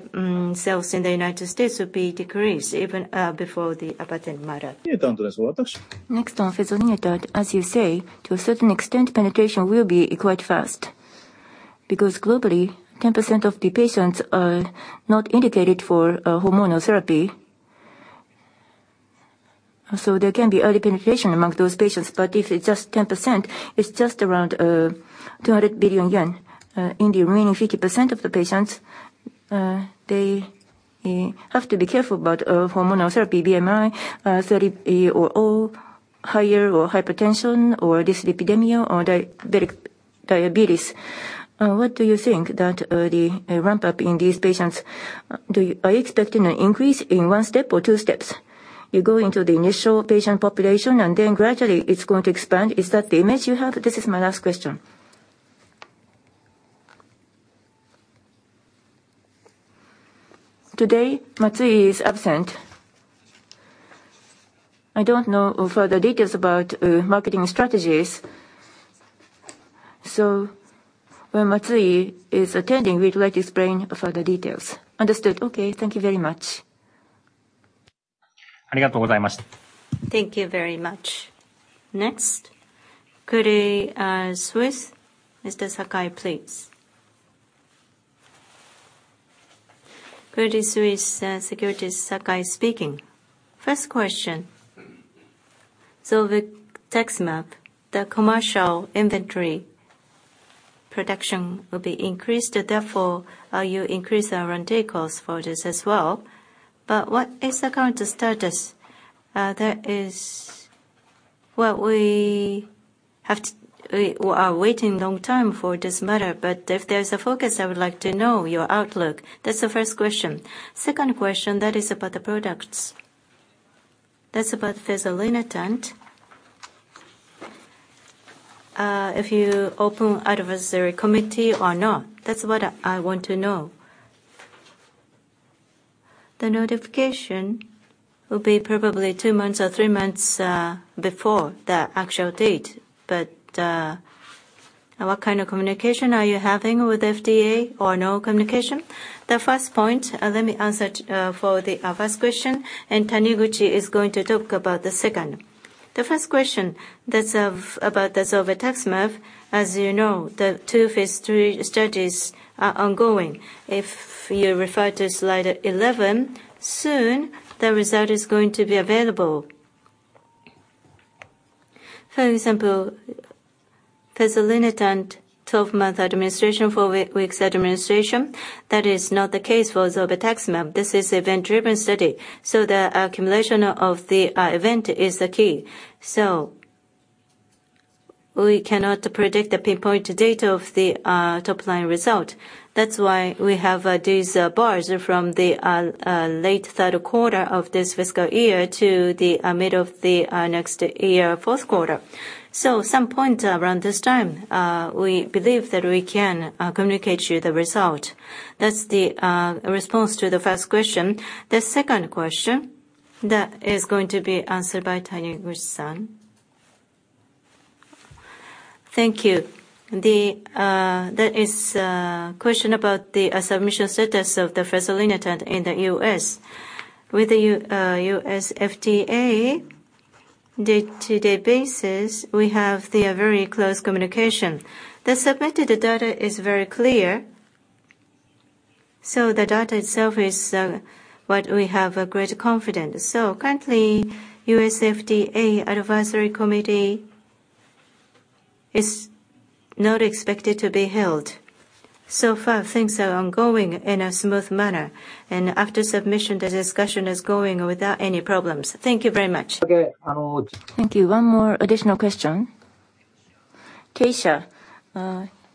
sales in the United States will be decreased even before the patent expiry. Next one. As you say, to a certain extent, penetration will be quite fast because globally, 10% of the patients are not indicated for hormonal therapy. There can be early penetration among those patients. If it's just 10%, it's just around JPY 200 billion. In the remaining 50% of the patients, they- We have to be careful about hormonal therapy, BMI 30 or over, higher or hypertension or dyslipidemia or diabetes. What do you think that the ramp up in these patients, are you expecting an increase in one step or two steps? You go into the initial patient population and then gradually it's going to expand. Is that the image you have? This is my last question. Today, Matsui is absent. I don't know of other details about marketing strategies. When Matsui is attending, we'd like to explain further details. Understood. Okay. Thank you very much. Next, Credit Suisse. Mr. Sakai, please. Credit Suisse Securities, Sakai speaking. First question. So the zolbetuximab commercial inventory production will be increased, therefore, you increase R&D costs for this as well. But what is the current status? That is what we have we are waiting long time for this matter, but if there's a focus, I would like to know your outlook. That's the first question. Second question, that is about the products. That's about fezolinetant. If you open advisory committee or not. That's what I want to know. The notification will be probably two months or three months before the actual date. But what kind of communication are you having with FDA or no communication? The first point, let me answer for the first question, and Taniguchi is going to talk about the second. The first question, that's about the zolbetuximab. As you know, the two phase three studies are ongoing. If you refer to slide 11, soon the result is going to be available. For example, fezolinetant twelve-month administration, four-weeks administration, that is not the case for zolbetuximab. This is event-driven study, so the accumulation of the event is the key. We cannot predict the pinpoint date of the top line result. That's why we have these bars from the late third quarter of this fiscal year to the mid of the next year, fourth quarter. Some point around this time, we believe that we can communicate you the result. That's the response to the first question. The second question, that is going to be answered by Taniguchi-san. Thank you. That is a question about the submission status of the fezolinetant in the US. With the U.S. FDA, day-to-day basis, we have the very close communication. The submitted data is very clear, so the data itself is, what we have a great confidence. Currently, U.S. FDA Advisory Committee is not expected to be held. Far, things are ongoing in a smooth manner, and after submission, the discussion is going without any problems. Thank you very much. Thank you. One more additional question. Taysha,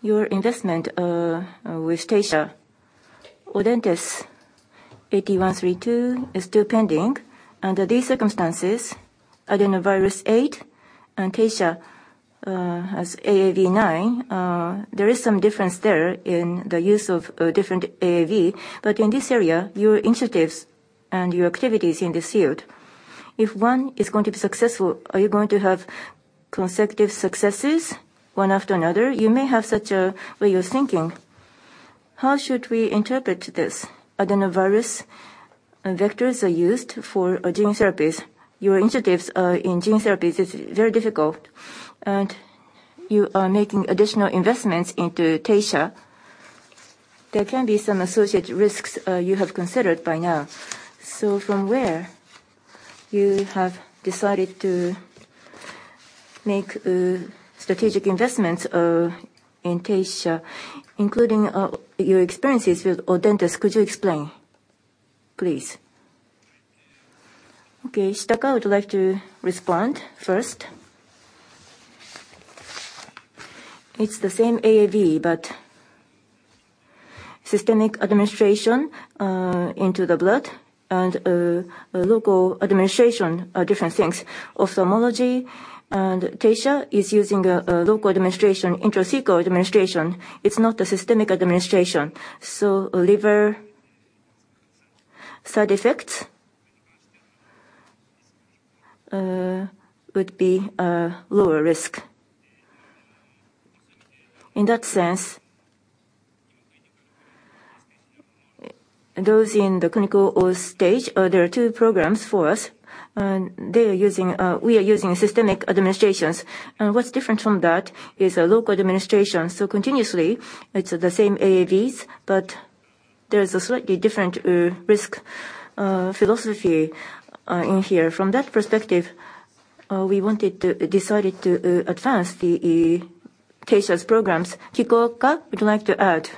your investment with Taysha, Audentes AT132 is still pending. Under these circumstances, AAV8 and Taysha has AAV9. There is some difference there in the use of different AAV, but in this area, your initiatives and your activities in this field. If one is going to be successful, are you going to have consecutive successes one after another? You may have such a way of thinking. How should we interpret this? AAV vectors are used for gene therapies. Your initiatives in gene therapies is very difficult and you are making additional investments into Taysha. There can be some associated risks you have considered by now. From where you have decided to make strategic investments in Taysha, including your experiences with Audentes, could you explain, please? Okay. Shitaka would like to respond first. It's the same AAV, but systemic administration into the blood and a local administration are different things. Ophthalmology and Taysha is using a local administration, intracerebral administration. It's not a systemic administration. Liver side effects would be a lower risk. In that sense, those in the clinical or stage, there are two programs for us and we are using systemic administrations. What's different from that is a local administration. Continuously, it's the same AAVs, but there is a slightly different risk philosophy in here. From that perspective, we decided to advance the, Kikuoka, would you like to add?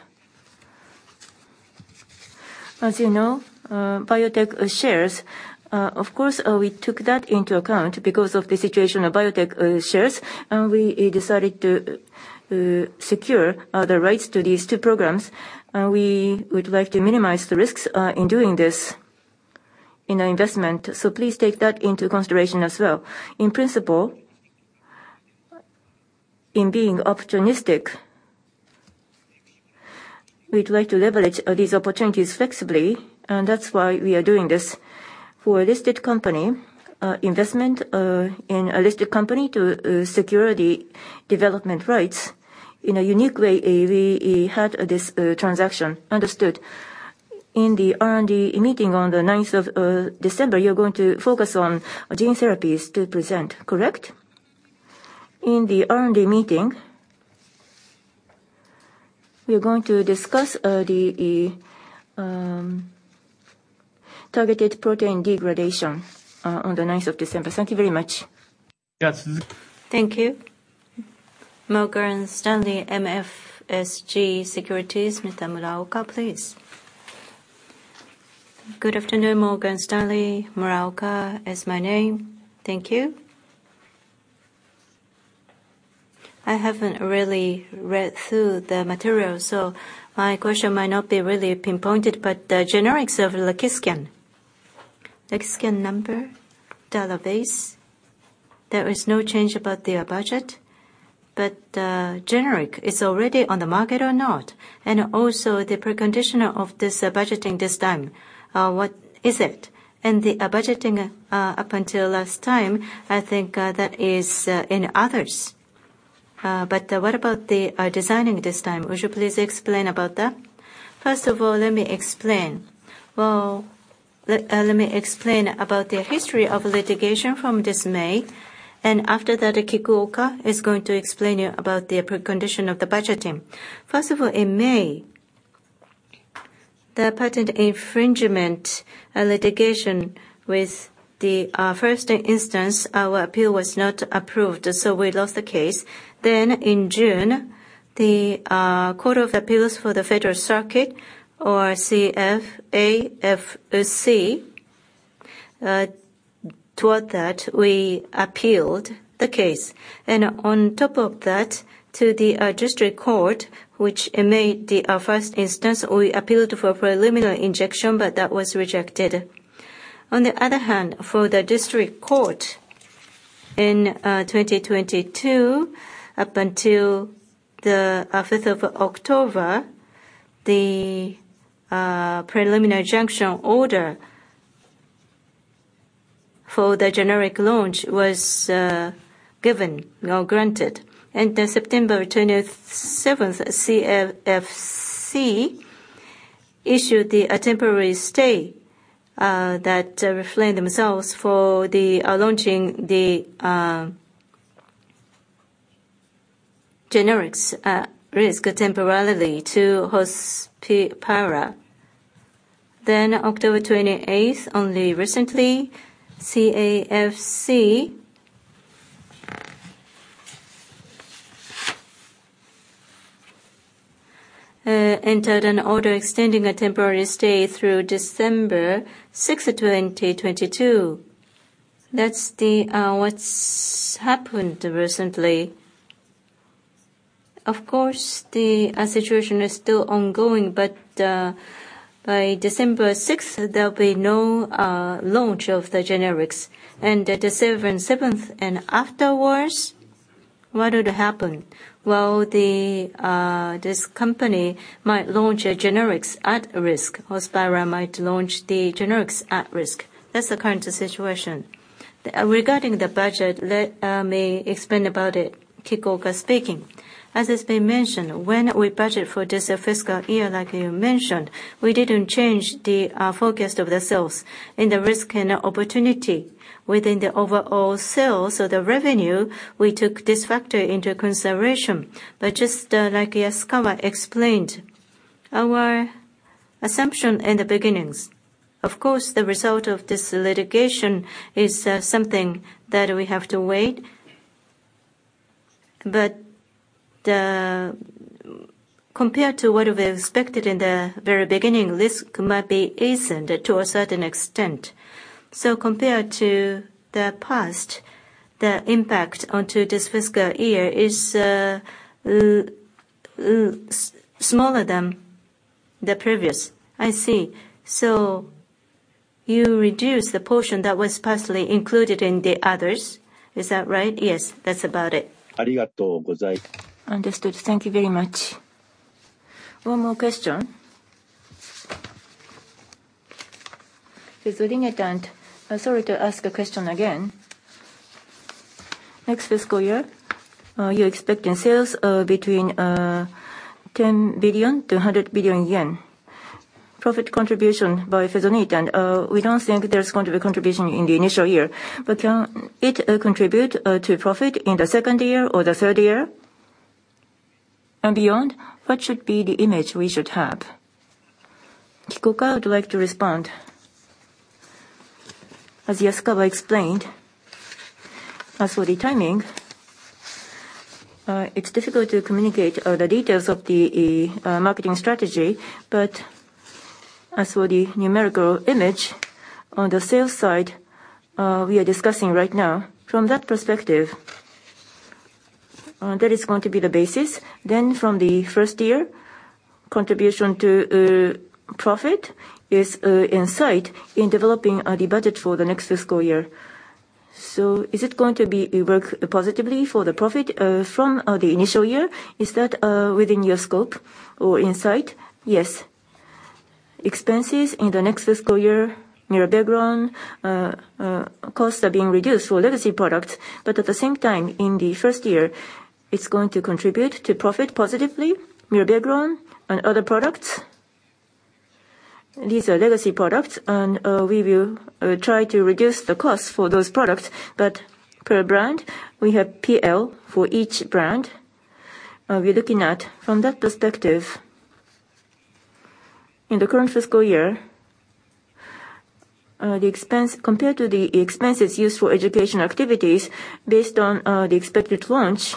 As you know, biotech shares, of course, we took that into account because of the situation of biotech shares, and we decided to secure the rights to these two programs. We would like to minimize the risks in doing this in our investment, so please take that into consideration as well. In principle, in being opportunistic, we'd like to leverage these opportunities flexibly, and that's why we are doing this. For a listed company, investment in a listed company to secure the development rights, in a unique way, we had this transaction. Understood. In the R&D meeting on the ninth of December, you're going to focus on gene therapies to present, correct? In the R&D meeting, we are going to discuss targeted protein degradation on the 9th of December. Thank you very much. Yes. Thank you. Morgan Stanley MUFG Securities, Shinichiro Muraoka, please. Good afternoon, Morgan Stanley. Muraoka is my name. Thank you. I haven't really read through the material, so my question might not be really pinpointed. The generics of Lexiscan. Lexiscan number, database, there is no change about their budget. Generic is already on the market or not? And also the precondition of this budgeting this time, what is it? And the budgeting up until last time, I think, that is in others. What about the designing this time? Would you please explain about that? First of all, let me explain. Let me explain about the history of litigation from this May. After that, Kikuoka is going to explain to you about the precondition of the budgeting. First of all, in May, the patent infringement litigation in the first instance, our appeal was not approved, so we lost the case. In June, the Court of Appeals for the Federal Circuit, or CAFC, to which we appealed the case. On top of that, to the district court, which made the first instance, we appealed for preliminary injunction, but that was rejected. On the other hand, for the district court in 2022, up until the 15th of October, the preliminary injunction order for the generic launch was given or granted. September 27th, CAFC issued a temporary stay that restrains them from launching the generics at risk temporarily to Hospira. October 28th, only recently, CAFC entered an order extending a temporary stay through December 6th, 2022. That's what's happened recently. Of course, the situation is still ongoing, but by December sixth there'll be no launch of the generics. The December seventh and afterwards, what would happen? Well, this company might launch a generics at risk. Hospira might launch the generics at risk. That's the current situation. Regarding the budget, let me explain about it. Kikuoka speaking. As has been mentioned, when we budget for this fiscal year, like you mentioned, we didn't change the forecast of the sales in the risk and opportunity. Within the overall sales or the revenue, we took this factor into consideration. Just like Yasukawa explained, our assumption in the beginnings, of course, the result of this litigation is something that we have to wait. Compared to what we expected in the very beginning, risk might be lessened to a certain extent. Compared to the past, the impact onto this fiscal year is smaller than the previous. I see. You reduced the portion that was partially included in the others. Is that right? Yes. That's about it. Understood. Thank you very much. One more question. This is fezolinetant. Sorry to ask a question again. Next fiscal year, you're expecting sales between 10 billion-100 billion yen. Profit contribution by fezolinetant, and we don't think there's going to be contribution in the initial year. Can it contribute to profit in the second year or the third year and beyond? What should be the image we should have? Kikuoka would like to respond. As Yasukawa explained, as for the timing, it's difficult to communicate the details of the marketing strategy. As for the numerical image on the sales side, we are discussing right now. From that perspective, that is going to be the basis. From the first year, contribution to profit is in sight in developing the budget for the next fiscal year. Is it going to be work positively for the profit from the initial year? Is that within your scope or insight? Yes. Expenses in the next fiscal year, mirabegron costs are being reduced for legacy products, but at the same time, in the first year, it's going to contribute to profit positively, mirabegron and other products. These are legacy products and we will try to reduce the cost for those products. Per brand, we have P&L for each brand we're looking at. From that perspective, in the current fiscal year, the expenses compared to the expenses used for education activities, based on the expected launch,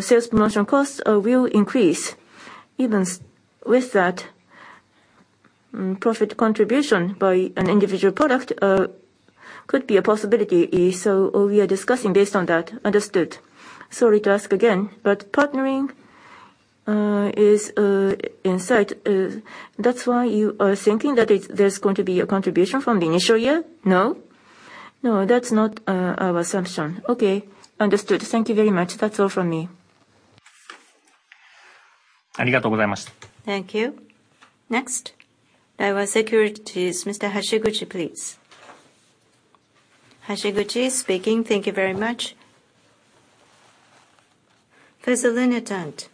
sales promotion costs will increase. With that, profit contribution by an individual product could be a possibility. We are discussing based on that. Understood. Sorry to ask again, but partnering is in sight. That's why you are thinking that it's, there's going to be a contribution from the initial year? No? No, that's not our assumption. Okay. Understood. Thank you very much. That's all from me. Thank you. Next, Daiwa Securities. Mr. Hashiguchi, please. Hashiguchi speaking. Thank you very much. Fezolinetant,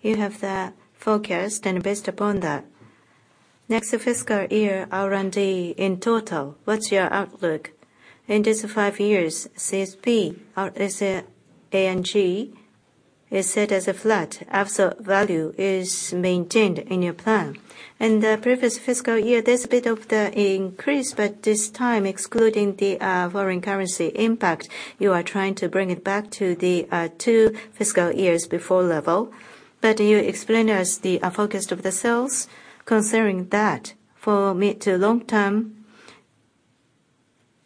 you have the forecast, and based upon that, next fiscal year R&D in total, what's your outlook? In these five years, CSP, R&D, SG&A is set as a flat. Absolute value is maintained in your plan. In the previous fiscal year, there's a bit of the increase, but this time excluding the foreign currency impact, you are trying to bring it back to the two fiscal years before level. You explain to us the forecast of the sales considering that for mid to long term,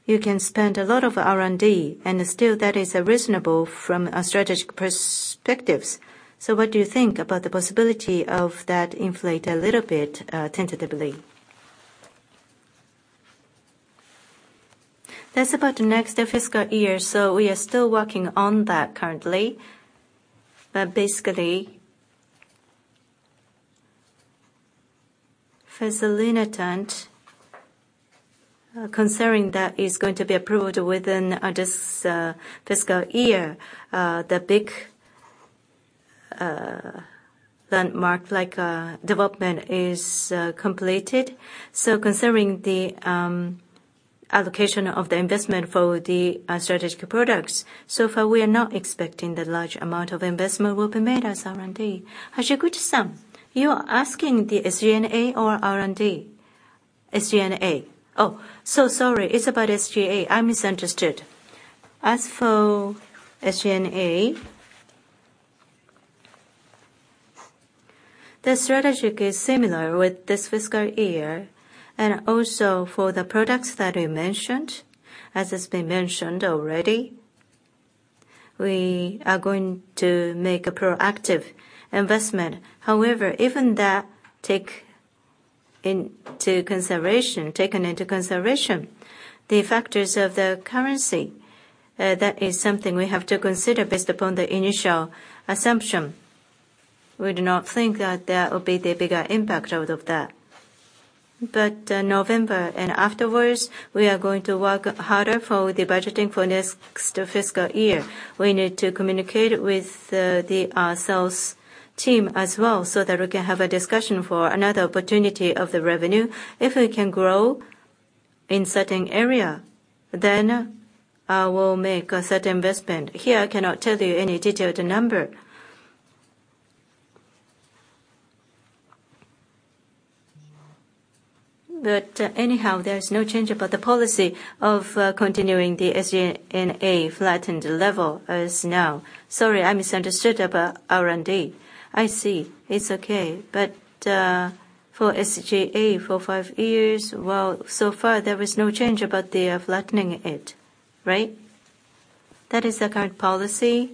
you can spend a lot of R&D, and still that is reasonable from a strategic perspectives. What do you think about the possibility of that inflate a little bit, tentatively? That's about next fiscal year, so we are still working on that currently. Basically, fezolinetant, considering that is going to be approved within this fiscal year, the big landmark like development is completed. Considering the allocation of the investment for the strategic products, so far we are not expecting that large amount of investment will be made as R&D. Hashiguchi-san, you are asking the SG&A or R&D? SG&A. Oh, so sorry. It's about SG&A. I misunderstood. As for SG&A, the strategic is similar with this fiscal year. Also for the products that you mentioned, as has been mentioned already, we are going to make a proactive investment. However, even that taken into consideration, the factors of the currency, that is something we have to consider based upon the initial assumption. We do not think that there will be the bigger impact out of that. November and afterwards, we are going to work harder for the budgeting for next fiscal year. We need to communicate with the sales team as well, so that we can have a discussion for another opportunity of the revenue. If we can grow in certain area, then we'll make a certain investment. Here, I cannot tell you any detailed number. Anyhow, there is no change about the policy of continuing the SG&A flattened level as now. Sorry, I misunderstood about R&D. I see. It's okay. For SG&A for five years, well, so far there was no change about the flattening it, right? That is the current policy.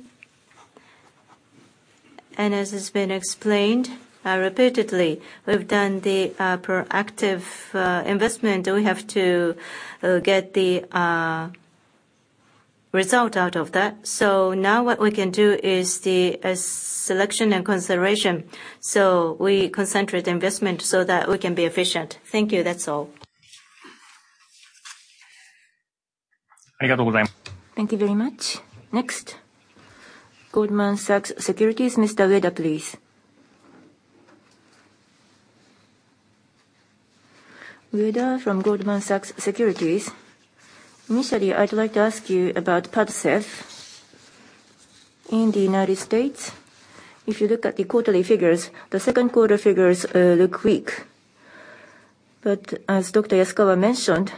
As has been explained repeatedly, we've done the proactive investment. Do we have to get the result out of that? Now what we can do is the selection and consideration. We concentrate investment so that we can be efficient. Thank you. That's all. Thank you very much. Next, Goldman Sachs Securities, Mr. Ueda, please. Ueda from Goldman Sachs Securities. Initially, I'd like to ask you about PADCEV. In the United States, if you look at the quarterly figures, the second quarter figures, look weak. As Dr. Yasukawa mentioned,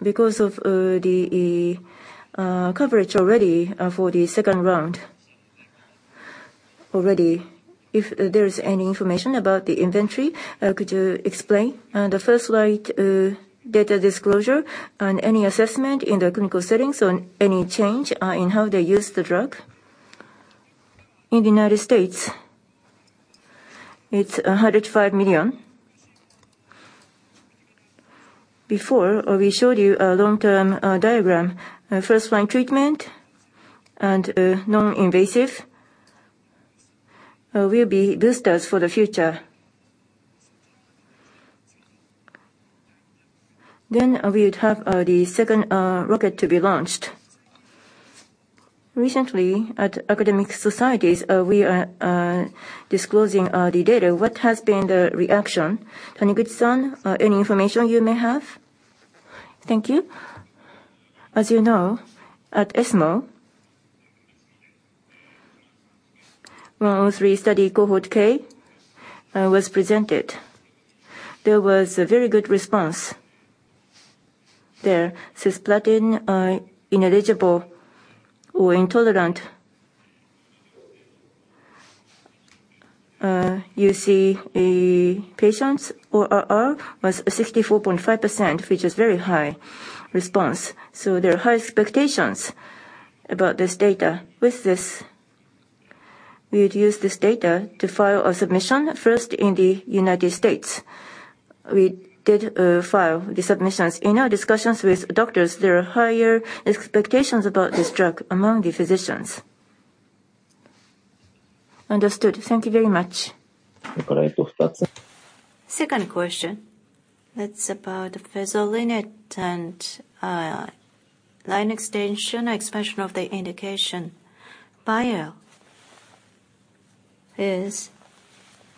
because of the coverage already for the second round already, if there is any information about the inventory, could you explain? On the first-line data disclosure, on any assessment in the clinical settings, on any change in how they use the drug? In the United States, it's $105 million. Before we showed you a long-term diagram. First-line treatment and non-invasive will be boosters for the future. Then we'd have the second rocket to be launched. Recently, at academic societies, we are disclosing the data. What has been the reaction? Taniguchi-san, any information you may have? Thank you. As you know, at ESMO, EV103 study Cohort K was presented. There was a very good response. There, cisplatin ineligible or intolerant. You see a patient's ORR was 64.5%, which is very high response. So there are high expectations about this data. With this, we would use this data to file a submission first in the United States. We did file the submissions. In our discussions with doctors, there are higher expectations about this drug among the physicians. Understood. Thank you very much. Second question. It's about the fezolinetant and line extension, expansion of the indication. Bio is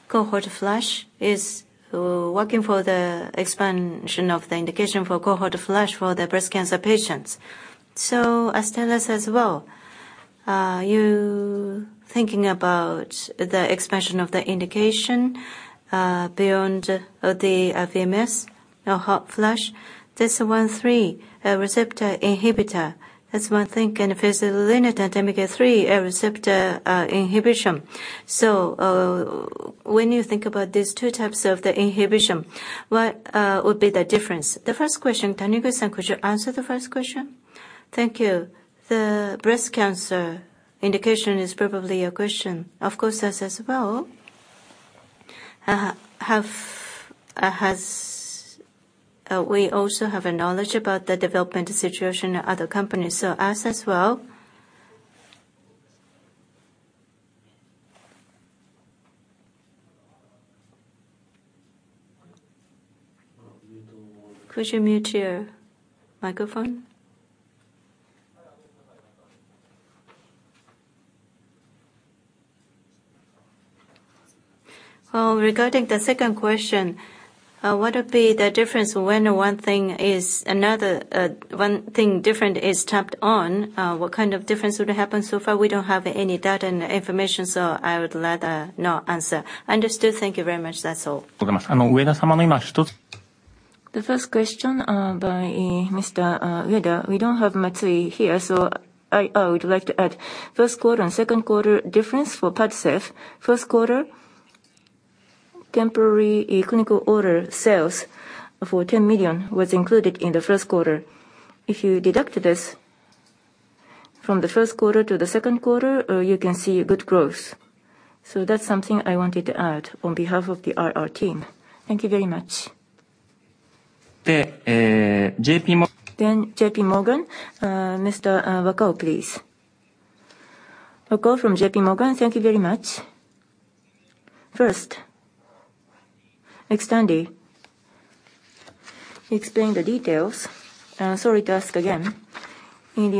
cohort flush is working for the expansion of the indication for cohort flush for the breast cancer patients. So Astellas as well, are you thinking about the expansion of the indication beyond the VMS or hot flash? NK3 receptor inhibitor. That's one thing, and fezolinetant and NK3 receptor inhibition. When you think about these two types of the inhibition, what would be the difference? The first question, Taniguchi-san, could you answer the first question? Thank you. The breast cancer indication is probably a question. Of course, we also have a knowledge about the development situation at other companies. We as well. Could you mute your microphone? Regarding the second question, what would be the difference when one thing is another, one thing different is tapped on? What kind of difference would happen? So far we don't have any data and information, so I would rather not answer. Understood. Thank you very much. That's all. The first question by Mr. Ueda. We don't have Matsui here, so I would like to add. First quarter and second quarter difference for PADCEV. First quarter, temporary clinical order sales for 10 million was included in the first quarter. If you deduct this from the first quarter to the second quarter, you can see good growth. That's something I wanted to add on behalf of the IR team. Thank you very much. The JP Morgan- J.P. Morgan. Mr. Wakao, please. Thank you very much. First, Xtandi. Explain the details. Sorry to ask again. In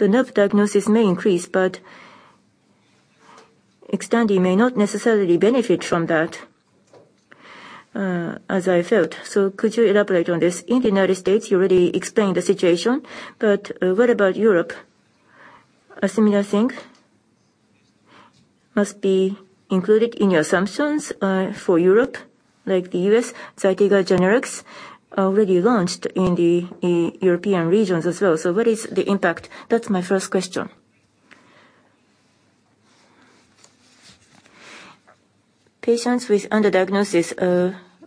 the United States, those who are not diagnosed may contribute positively. On the other hand, if you look at the number of prescriptions, Zytiga generics are growing. Xtandi growth is slowing or becoming flat. Considering the situation, the NAF diagnosis may increase, but Xtandi may not necessarily benefit from that, as I felt. Could you elaborate on this? In the United States, you already explained the situation, but what about Europe? A similar thing must be included in your assumptions for Europe, like the US. Zytiga generics already launched in the European regions as well. What is the impact? That's my first question. Patients with under-diagnosis,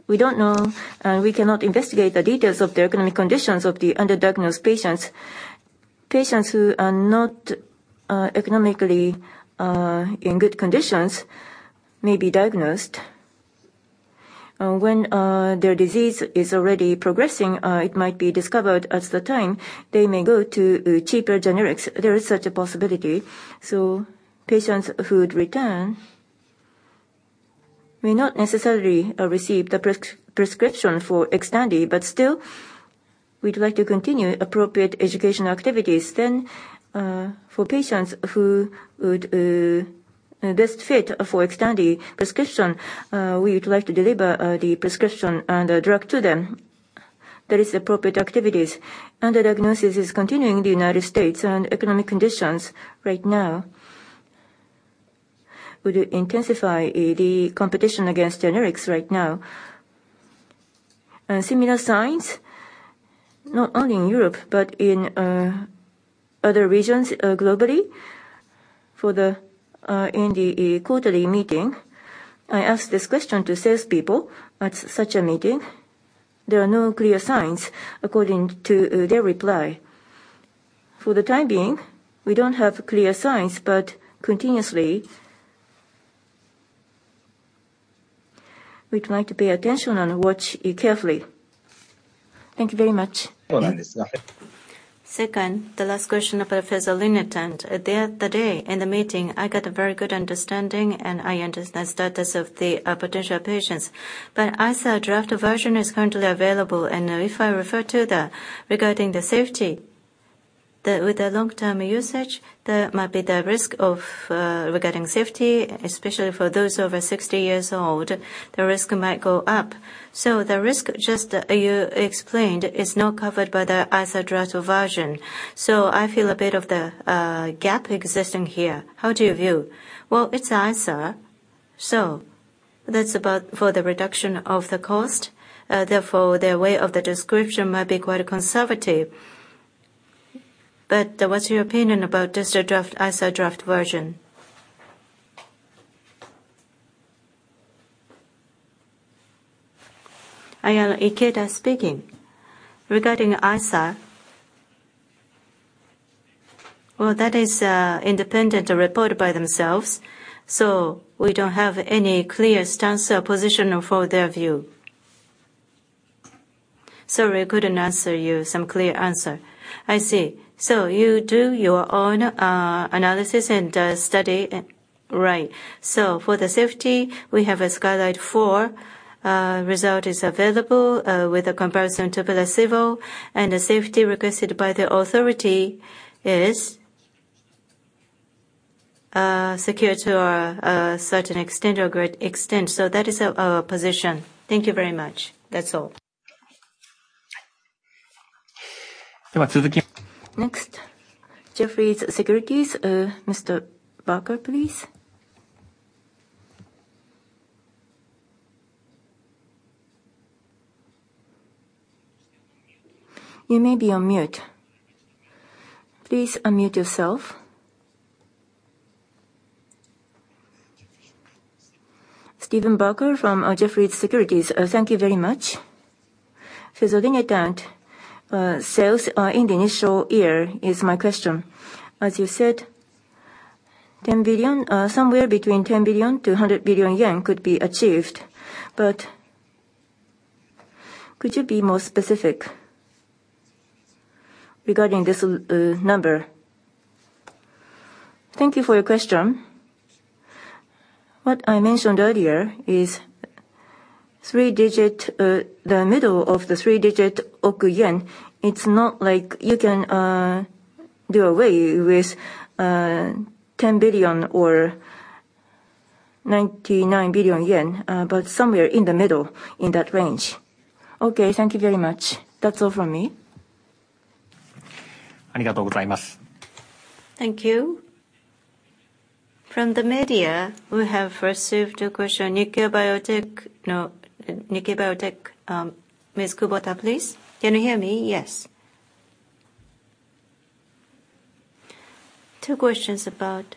we don't know. We cannot investigate the details of the economic conditions of the under-diagnosed patients. Patients who are not economically in good conditions may be diagnosed. When their disease is already progressing, it might be discovered at the time they may go to cheaper generics. There is such a possibility. Patients who would return may not necessarily receive the prescription for Xtandi. Still, we'd like to continue appropriate educational activities. For patients who would best fit for Xtandi prescription, we would like to deliver the prescription and the drug to them. That is appropriate activities. Underdiagnosis is continuing in the United States, and economic conditions right now would intensify the competition against generics right now. Similar signs, not only in Europe, but in other regions globally. In the quarterly meeting, I asked this question to salespeople at such a meeting. There are no clear signs according to their reply. For the time being, we don't have clear signs, but continuously we'd like to pay attention and watch it carefully. Thank you very much. Second, the last question about fezolinetant. The other day in the meeting, I got a very good understanding, and I understand status of the potential patients. ICER draft version is currently available, and if I refer to the regarding the safety with the long-term usage, there might be the risk of regarding safety, especially for those over 60 years old, the risk might go up. The risk just you explained is not covered by the ICER draft version. I feel a bit of the gap existing here. How do you view? Well, it's ICER, so that's about for the reduction of the cost. Therefore, their way of the description might be quite conservative. What's your opinion about this draft, ICER draft version? It's Ikeda speaking. Regarding ICER, well, that is, independent report by themselves, so we don't have any clear stance or position for their view. Sorry, I couldn't answer you some clear answer. I see. So you do your own, analysis and, study. Right. So for the safety, we have a SKYLIGHT 4 result is available, with a comparison to placebo. The safety requested by the authority is, secure to a, certain extent or great extent. So that is our position. Thank you very much. That's all. Next, Jefferies Securities, Mr. Barker, please. You may be on mute. Please unmute yourself. Stephen Barker from Jefferies Securities. Thank you very much. Fezolinetant sales in the initial year is my question. As you said, 10 billion, somewhere between 10 billion-100 billion yen could be achieved, but could you be more specific regarding this number? Thank you for your question. What I mentioned earlier is three-digit, the middle of the three-digit oku yen. It's not like you can do away with 10 billion or 99 billion yen, but somewhere in the middle, in that range. Okay. Thank you very much. That's all from me. Thank you. From the media, we have received a question, Nikkei Biotech, Ms. Kubota, please. Can you hear me? Yes. Two questions about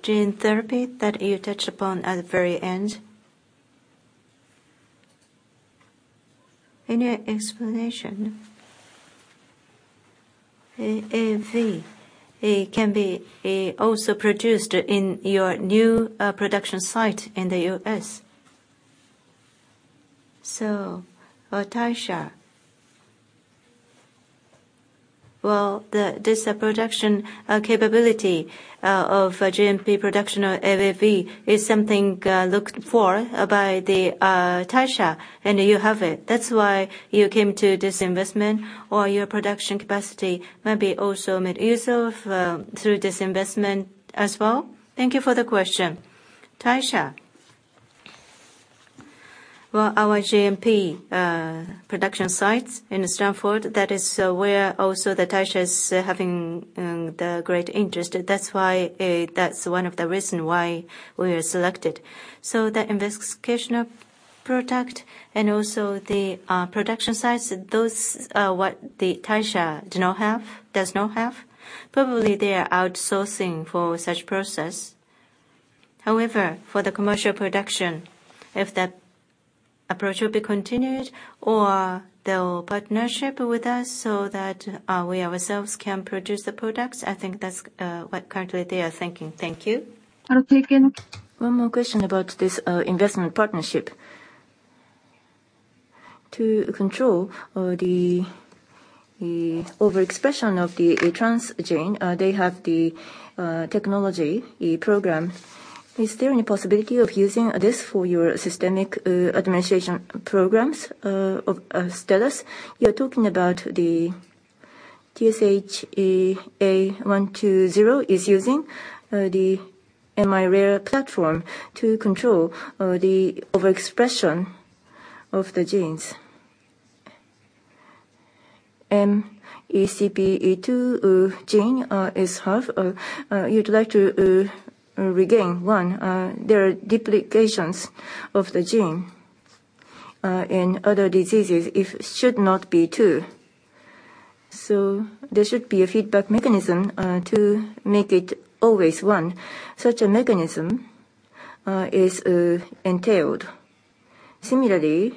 gene therapy that you touched upon at the very end. Any explanation? AAV, it can be also produced in your new production site in the US. So, Taysha, this production capability of GMP production of AAV is something looked for by the Taysha, and you have it. That's why you came to this investment or your production capacity might be also made use of through this investment as well. Thank you for the question. Taysha. Well, our GMP production sites in Sanford, that is where also the Taysha is having the great interest. That's why, that's one of the reason why we were selected. The investigational product and also the production sites, those are what the Taysha does not have. Probably they are outsourcing for such process. However, for the commercial production, if the approach will be continued or they'll partner with us so that we ourselves can produce the products, I think that's what currently they are thinking. Thank you. I'll take it. One more question about this investment partnership. To control the overexpression of the transgene, they have the technology, a program. Is there any possibility of using this for your systemic administration programs of Astellas? You're talking about the TSHA-120 is using the miRARE platform to control the overexpression of the genes. MECP2 gene is half. You'd like to regain one. There are duplications of the gene in other diseases, it should not be two. There should be a feedback mechanism to make it always one. Such a mechanism is entailed. Similarly,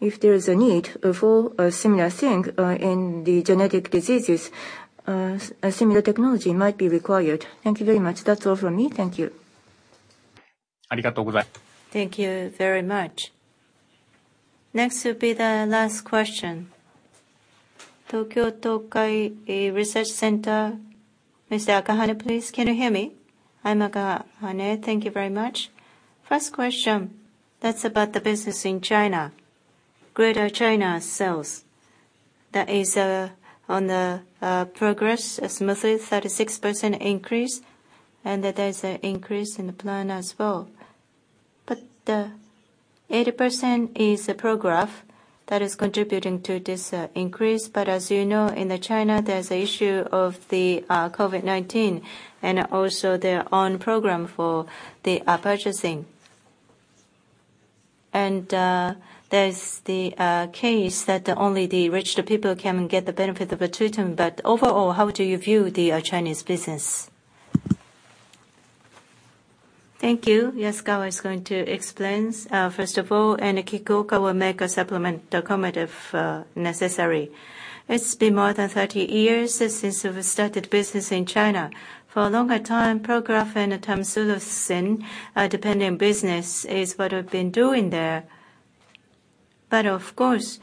if there is a need for a similar thing in the genetic diseases, a similar technology might be required. Thank you very much. That's all from me. Thank you. Thank you very much. Next will be the last question. Tokai Tokyo Research Center, Mr. Akahane, please. Can you hear me? I'm Akahane. Thank you very much. First question, that's about the business in China. Greater China sales. That is, progress smoothly, 36% increase, and there's an increase in the plan as well. The 80% is the Prograf that is contributing to this increase. As you know, in China, there's an issue of the COVID-19 and also their own program for the purchasing. There's the case that only the richer people can get the benefit of a treatment. Overall, how do you view the Chinese business? Thank you. Yasukawa is going to explain. First of all, and Kikuoka will make a supplement comment if necessary. It's been more than 30 years since we've started business in China. For a longer time, Prograf and tamsulosin dependent business is what we've been doing there. Of course,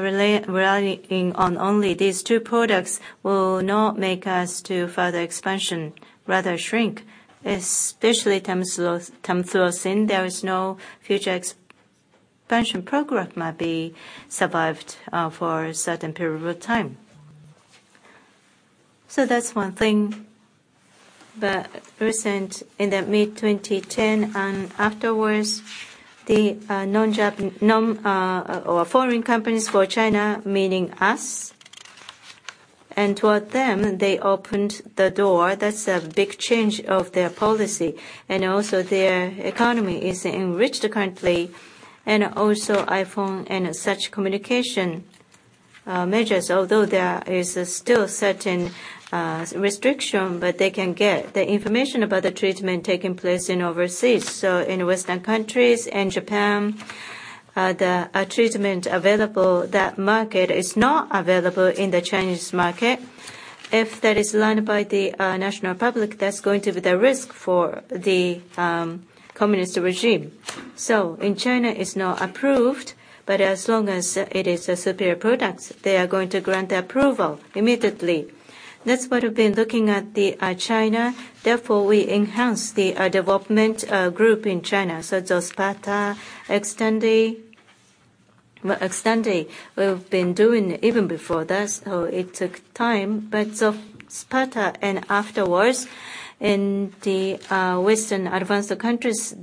relying on only these two products will not make us to further expansion, rather shrink. Especially tamsulosin, there is no future expansion. Prograf might survive for a certain period of time. That's one thing. Recently, in the mid-2010s and afterwards, the non-Japan or foreign companies for China, meaning us, and toward them they opened the door. That's a big change of their policy. Also their economy is enriched currently. Also iPhone and such communication measures. Although there is still certain restriction, but they can get the information about the treatment taking place in overseas. In Western countries and Japan, treatment available, that market is not available in the Chinese market. If that is learned by the national public, that's going to be the risk for the communist regime. In China, it's not approved, but as long as it is a superior product, they are going to grant approval immediately. That's what we've been looking at the China. Therefore, we enhanced the development group in China. XOSPATA, Xtandi. Well, Xtandi, we've been doing even before that, so it took time. But XOSPATA and afterwards, in the Western advanced countries,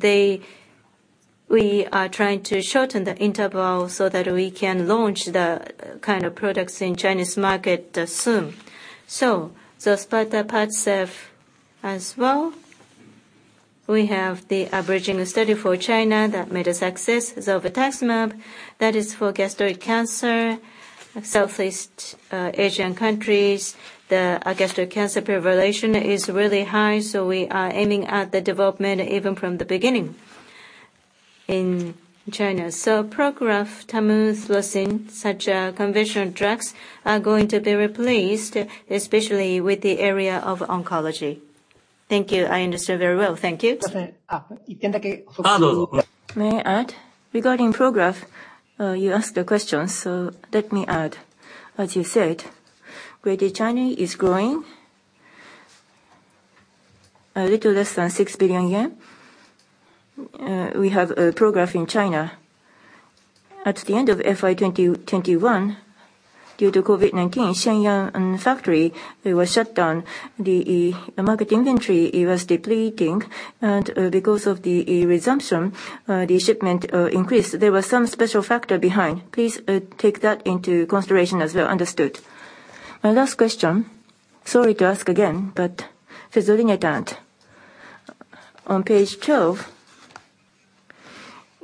we are trying to shorten the interval so that we can launch the kind of products in Chinese market soon. XOSPATA, PADCEV as well. We have the bridging study for China that made a success. Zolbetuximab, that is for gastric cancer. Southeast Asian countries, the gastric cancer prevalence is really high, so we are aiming at the development even from the beginning in China. Prograf, Tamsulosin, such conventional drugs are going to be replaced, especially with the area of oncology. Thank you. I understand very well. Thank you. May I add? Regarding Prograf, you asked the question, so let me add. As you said, Greater China is growing a little less than 6 billion yen. We have a Prograf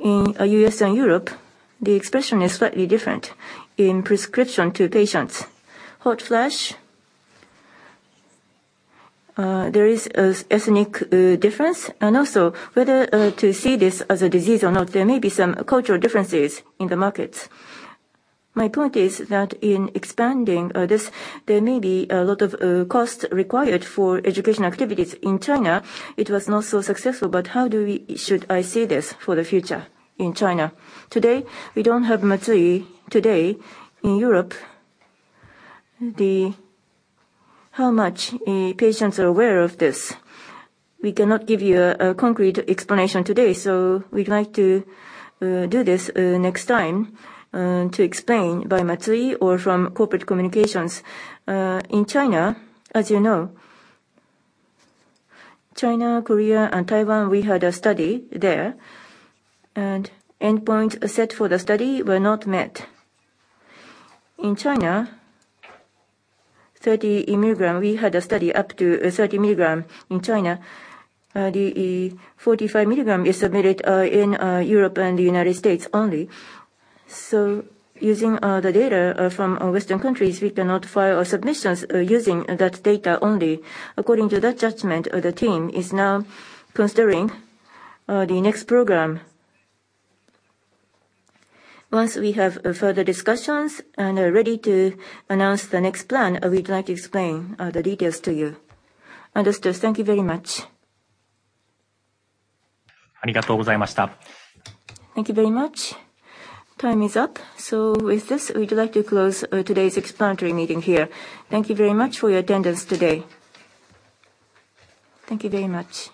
in China. At the end of FY 2021, due to COVID-19, Shenyang factory was shut down. The market inventory was depleting. Because of the resumption, the shipment increased. There was some special factor behind. Please take that into consideration as well. Understood. My last question. Sorry to ask again, but fezolinetant. On page 12, in U.S. and Europe, the expression is slightly different in prescription to patients. Hot flash, there is ethnic difference. Also, whether to see this as a disease or not, there may be some cultural differences in the markets. My point is that in expanding this, there may be a lot of costs required for education activities. In China, it was not so successful, but should I see this for the future in China? Today, we don't have Matsui today. In Europe, how many patients are aware of this? We cannot give you a concrete explanation today, so we'd like to do this next time to explain by Matsui or from corporate communications. In China, as you know, China, Korea, and Taiwan, we had a study there, and endpoints set for the study were not met. In China, 30 milligram. We had a study up to 30 milligram in China. The 45 milligram is submitted in Europe and the United States only. Using the data from Western countries, we cannot file our submissions using that data only. According to that judgment, the team is now considering the next program. Once we have further discussions and are ready to announce the next plan, we'd like to explain the details to you. Understood. Thank you very much. Thank you very much. Time is up. With this, we'd like to close today's explanatory meeting here. Thank you very much for your attendance today. Thank you very much.